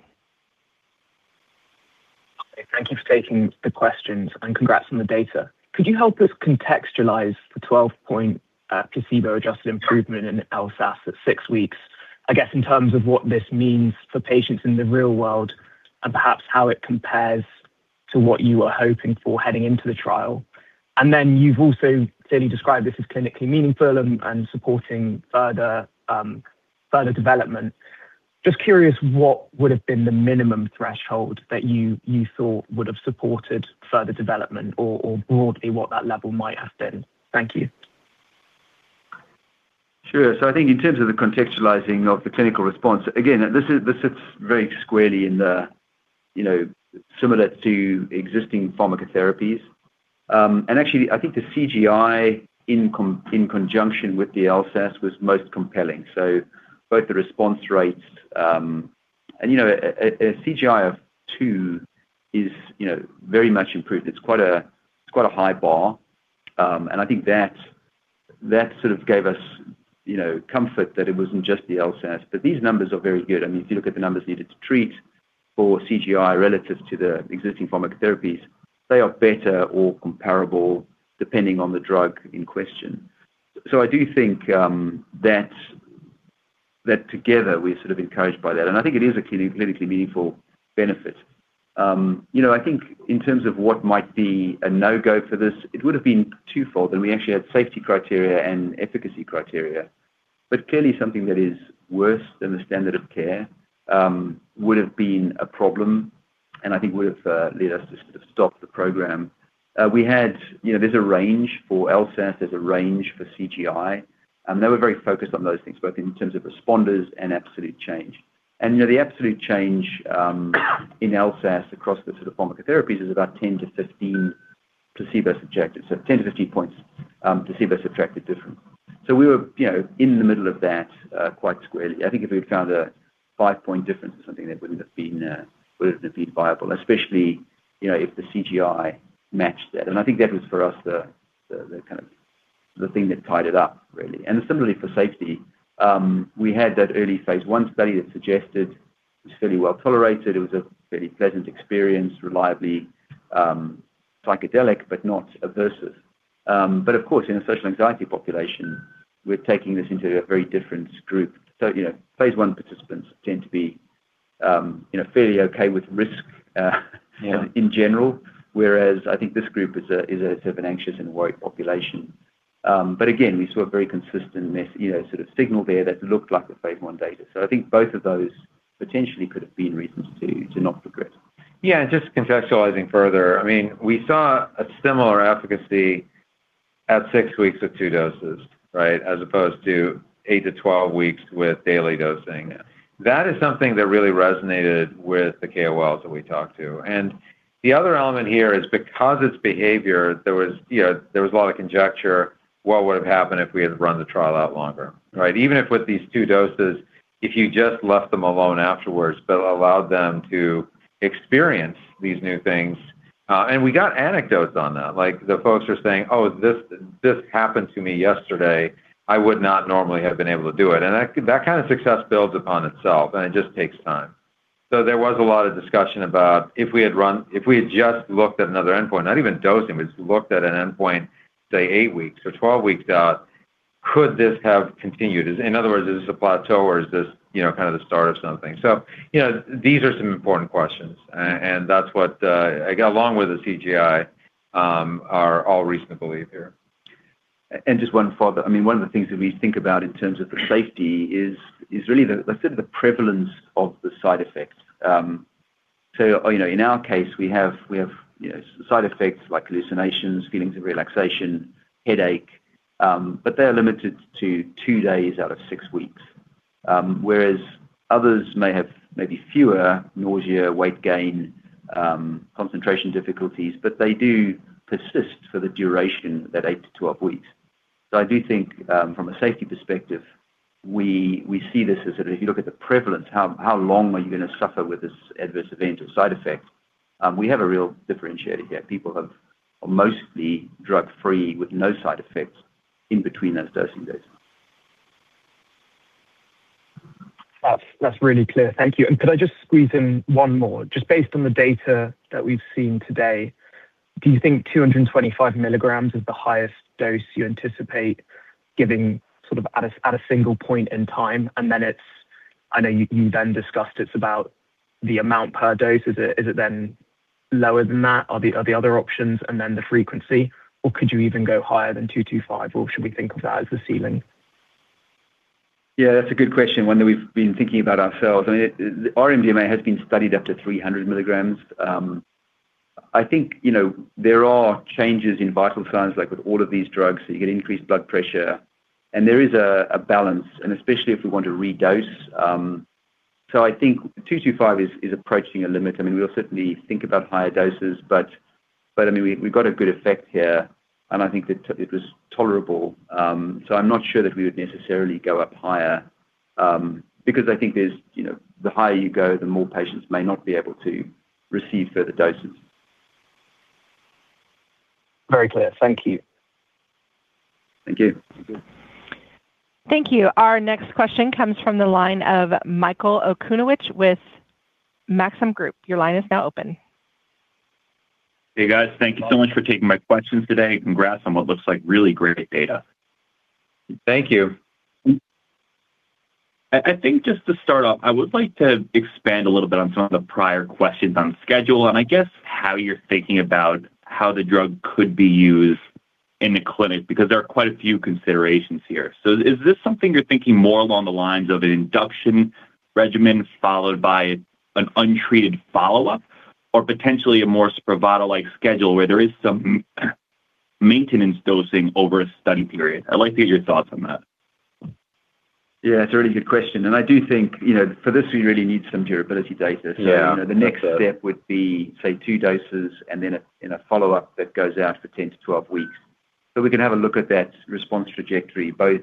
Thank you for taking the questions, and congrats on the data. Could you help us contextualize the 12-point placebo-adjusted improvement in LSAS at six weeks, I guess, in terms of what this means for patients in the real world and perhaps how it compares to what you were hoping for heading into the trial? You've also clearly described this as clinically meaningful and supporting further development. Just curious, what would have been the minimum threshold that you thought would have supported further development or broadly what that level might have been? Thank you. Sure. I think in terms of the contextualizing of the clinical response, again, this is, this sits very squarely in the, you know, similar to existing pharmacotherapies. And actually, I think the CGI in conjunction with the LSAS was most compelling. Both the response rates. You know, a CGI of two is, you know, very much improved. It's quite a, it's quite a high bar, and I think that sort of gave us, you know, comfort that it wasn't just the LSAS. These numbers are very good. I mean, if you look at the numbers needed to treat for CGI relative to the existing pharmacotherapies, they are better or comparable, depending on the drug in question. I do think, that together, we're sort of encouraged by that, and I think it is a clinically meaningful benefit. You know, I think in terms of what might be a no-go for this, it would have been twofold, and we actually had safety criteria and efficacy criteria. Clearly, something that is worse than the standard of care, would have been a problem, and I think would have led us to sort of stop the program. You know, there's a range for LSAS, there's a range for CGI, and they were very focused on those things, both in terms of responders and absolute change. You know, the absolute change, in LSAS across the sort of pharmacotherapies is about 10-15 placebo-subtracted, so 10-15 points, placebo-subtracted difference. We were, you know, in the middle of that, quite squarely. I think if we'd found a 5-point difference or something, that wouldn't have been, wouldn't have been viable, especially, you know, if the CGI matched that. I think that was, for us, the kind of the thing that tied it up really. Similarly for safety, we had that early phase I study that suggested it's fairly well tolerated. It was a fairly pleasant experience, reliably, psychedelic, but not aversive. Of course, in a social anxiety population, we're taking this into a very different group. You know, phase I participants tend to be, you know, fairly okay with risk. Yeah... in general, whereas I think this group is a sort of an anxious and worried population. Again, we saw a very consistent you know, sort of signal there that looked like the phase I data. I think both of those potentially could have been reasons to not progress. Yeah, just contextualizing further, I mean, we saw a similar efficacy at six weeks of two doses, right? As opposed to eight-12 weeks with daily dosing. That is something that really resonated with the KOLs that we talked to. The other element here is because it's behavior, there was, you know, a lot of conjecture, what would have happened if we had run the trial out longer, right? Even if with these two doses, if you just left them alone afterwards, but allowed them to experience these new things, we got anecdotes on that. Like, the folks are saying, "Oh, this happened to me yesterday. I would not normally have been able to do it." That kind of success builds upon itself, and it just takes time. There was a lot of discussion about if we had just looked at another endpoint, not even dosing, we just looked at an endpoint, say, eight weeks or 12 weeks out, could this have continued? In other words, is this a plateau or is this, you know, kind of the start of something? You know, these are some important questions, and that's what, again, along with the CGI, are all reasonable to believe here. Just one further. I mean, one of the things that we think about in terms of the safety is really the sort of the prevalence of the side effects. You know, in our case, we have, you know, side effects like hallucinations, feelings of relaxation, headache, but they're limited to two days out of six weeks. Whereas others may have maybe fewer nausea, weight gain, concentration difficulties, but they do persist for the duration, that eight-12 weeks. I do think, from a safety perspective, we see this as sort of if you look at the prevalence, how long are you going to suffer with this adverse event or side effect? We have a real differentiator here. People have mostly drug-free with no side effects in between those dosing days. That's really clear. Thank you. Could I just squeeze in one more? Just based on the data that we've seen today, do you think 225 mg is the highest dose you anticipate giving sort of at a single point in time? Then it's... I know you then discussed it's about the amount per dose. Is it then lower than that? Are the other options and then the frequency, or could you even go higher than 225 mg, or should we think of that as the ceiling?... Yeah, that's a good question, one that we've been thinking about ourselves. I mean, our MDMA has been studied up to 300 mg. I think, you know, there are changes in vital signs, like with all of these drugs, you get increased blood pressure, and there is a balance, and especially if we want to redose. I think 225 mg is approaching a limit. I mean, we'll certainly think about higher doses, but, I mean, we've got a good effect here, and I think that it was tolerable. I'm not sure that we would necessarily go up higher, because I think there's, you know, the higher you go, the more patients may not be able to receive further doses. Very clear. Thank you. Thank you. Thank you. Our next question comes from the line of Michael Okunewitch with Maxim Group. Your line is now open. Hey, guys. Thank you so much for taking my questions today. Congrats on what looks like really great data. Thank you. I think just to start off, I would like to expand a little bit on some of the prior questions on schedule, and I guess how you're thinking about how the drug could be used in the clinic, because there are quite a few considerations here. Is this something you're thinking more along the lines of an induction regimen, followed by an untreated follow-up, or potentially a more Spravato-like schedule, where there is some maintenance dosing over a study period? I'd like to get your thoughts on that. Yeah, it's a really good question, and I do think, you know, for this, we really need some durability data. Yeah. The next step would be, say, two doses, and then in a follow-up that goes out for 10-12 weeks. We can have a look at that response trajectory, both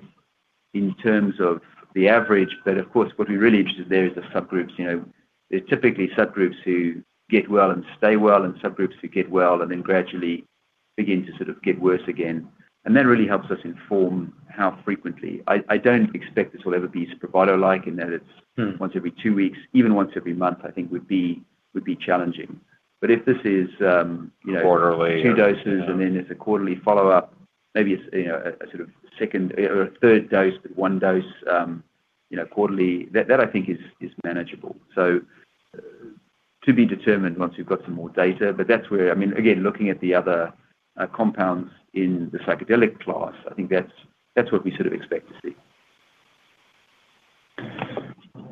in terms of the average, but of course, what we're really interested in there is the subgroups. You know, there's typically subgroups who get well and stay well, and subgroups who get well and then gradually begin to sort of get worse again. That really helps us inform how frequently. I don't expect this will ever be Spravato-like in that it's- Hmm once every two weeks, even once every month, I think would be challenging. If this is, you know. Quarterly Two doses, and then it's a quarterly follow-up, maybe it's, you know, a sort of second or a third dose, one dose, you know, quarterly, that I think is manageable. To be determined once we've got some more data. That's where, I mean, again, looking at the other compounds in the psychedelic class, I think that's what we sort of expect to see.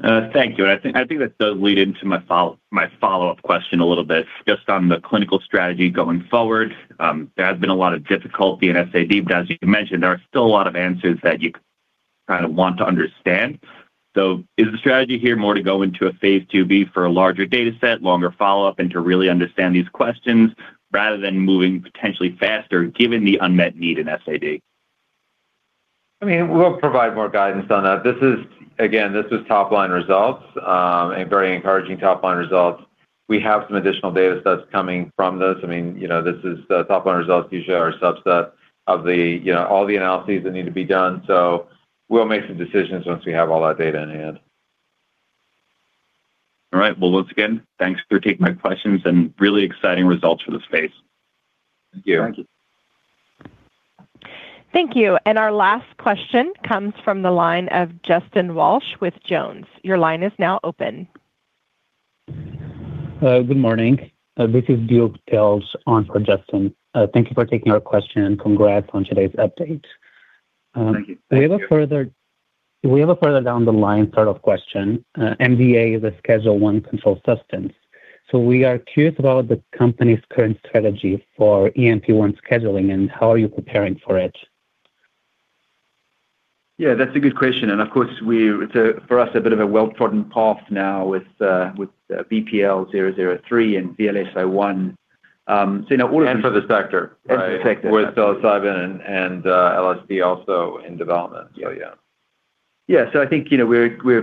Thank you. I think that does lead into my follow-up question a little bit, just on the clinical strategy going forward. There has been a lot of difficulty in SAD, as you mentioned, there are still a lot of answers that you kind of want to understand. Is the strategy here more to go into phase IIb for a larger dataset, longer follow-up, and to really understand these questions, rather than moving potentially faster, given the unmet need in SAD? I mean, we'll provide more guidance on that. This is, again, this is top-line results, and very encouraging top-line results. We have some additional data sets coming from this. I mean, you know, this is the top-line results usually are a subset of the, you know, all the analyses that need to be done. We'll make some decisions once we have all that data in hand. All right. Well, once again, thanks for taking my questions, and really exciting results for the space. Thank you. Thank you. Thank you. Our last question comes from the line of Justin Walsh with Jones. Your line is now open. Good morning. This is [Duke Dales] on for Justin. Thank you for taking our question, and congrats on today's update. Thank you. We have a further down the line sort of question. MDA is a Schedule I controlled substance, so we are curious about the company's current strategy for EMP-01 scheduling, and how are you preparing for it? Yeah, that's a good question, and of course, it's for us, a bit of a well-trodden path now with BPL-003 and VLS-01. You know, For the sector. For the sector. With psilocybin and LSD also in development. Yeah. Yeah. I think, you know, we're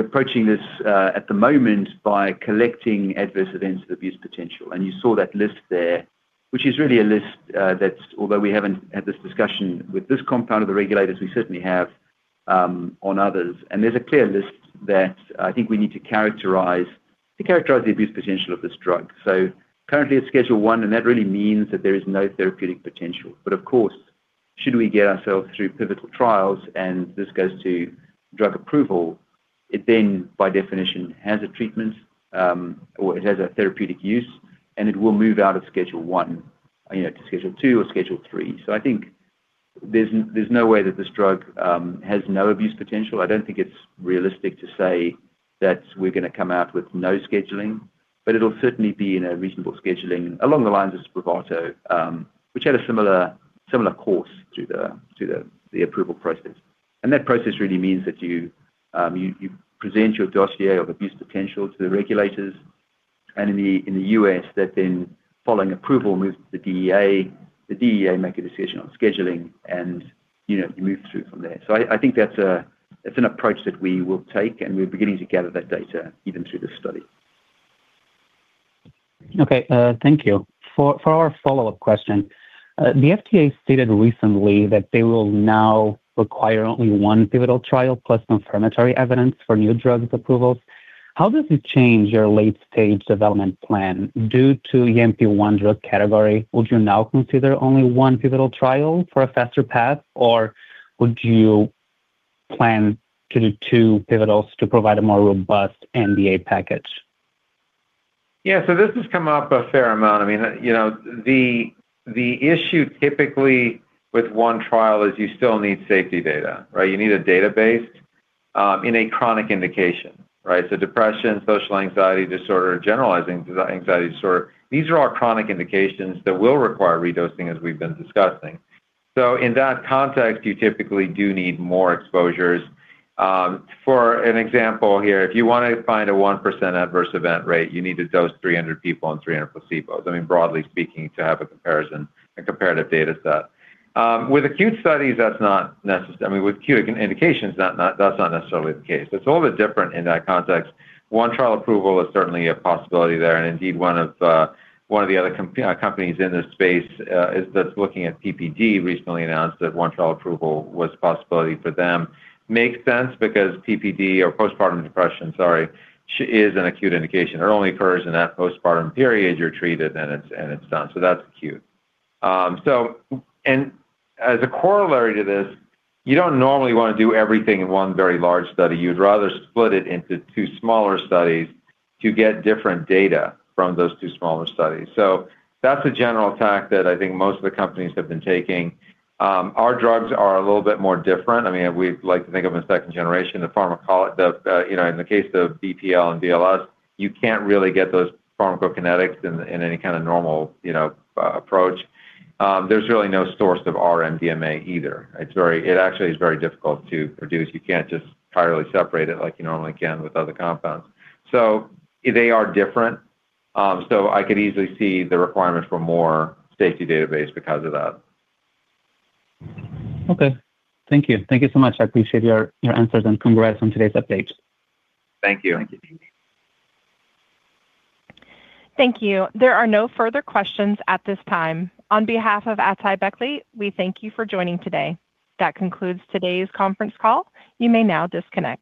approaching this at the moment by collecting adverse events with abuse potential. You saw that list there, which is really a list that's, although we haven't had this discussion with this compound of the regulators, we certainly have on others. There's a clear list that I think we need to characterize, to characterize the abuse potential of this drug. Currently, it's Schedule I, and that really means that there is no therapeutic potential. Of course, should we get ourselves through pivotal trials and this goes to drug approval, it then, by definition, has a treatment, or it has a therapeutic use, and it will move out of Schedule I, you know, to Schedule II or Schedule III. I think there's no way that this drug has no abuse potential. I don't think it's realistic to say that we're gonna come out with no scheduling, but it'll certainly be in a reasonable scheduling along the lines of Spravato, which had a similar course to the approval process. That process really means that you present your dossier of abuse potential to the regulators, and in the U.S., that then, following approval, moves to the DEA. The DEA make a decision on scheduling, and, you know, you move through from there. I think that's an approach that we will take, and we're beginning to gather that data even through this study. Okay, thank you. For our follow-up question, the FDA stated recently that they will now require only one pivotal trial plus confirmatory evidence for new drug approvals. How does this change your late-stage development plan? Due to the EMP-01 drug category, would you now consider only one pivotal trial for a faster path, or would you plan to do two pivotals to provide a more robust NDA package? Yeah, this has come up a fair amount. I mean, you know, the issue typically with one trial is you still need safety data, right? You need a database in a chronic indication, right? Depression, social anxiety disorder, generalized anxiety disorder, these are all chronic indications that will require redosing, as we've been discussing. In that context, you typically do need more exposures. For an example here, if you wanna find a 1% adverse event rate, you need to dose 300 people on 300 placebos, I mean, broadly speaking, to have a comparison, a comparative data set. With acute studies, that's not necessary. I mean, with acute indications, that's not necessarily the case. It's a little bit different in that context. one trial approval is certainly a possibility there. Indeed, one of the other companies in this space that's looking at PPD recently announced that one trial approval was a possibility for them. Makes sense because PPD or postpartum depression, sorry, is an acute indication. It only occurs in that postpartum period. You're treated, and it's done. That's acute. As a corollary to this, you don't normally wanna do everything in one very large study. You'd rather split it into two smaller studies to get different data from those two smaller studies. That's a general tack that I think most of the companies have been taking. Our drugs are a little bit more different. I mean, we'd like to think of them as 2nd generation. The, you know, in the case of BPL and VLS, you can't really get those pharmacokinetics in any kind of normal, you know, approach. There's really no source of R-MDMA either. It actually is very difficult to produce. You can't just entirely separate it like you normally can with other compounds. They are different, so I could easily see the requirement for more safety database because of that. Okay. Thank you. Thank you so much. I appreciate your answers, and congrats on today's updates. Thank you. Thank you. Thank you. There are no further questions at this time. On behalf of Atai Beckley, we thank you for joining today. That concludes today's conference call. You may now disconnect.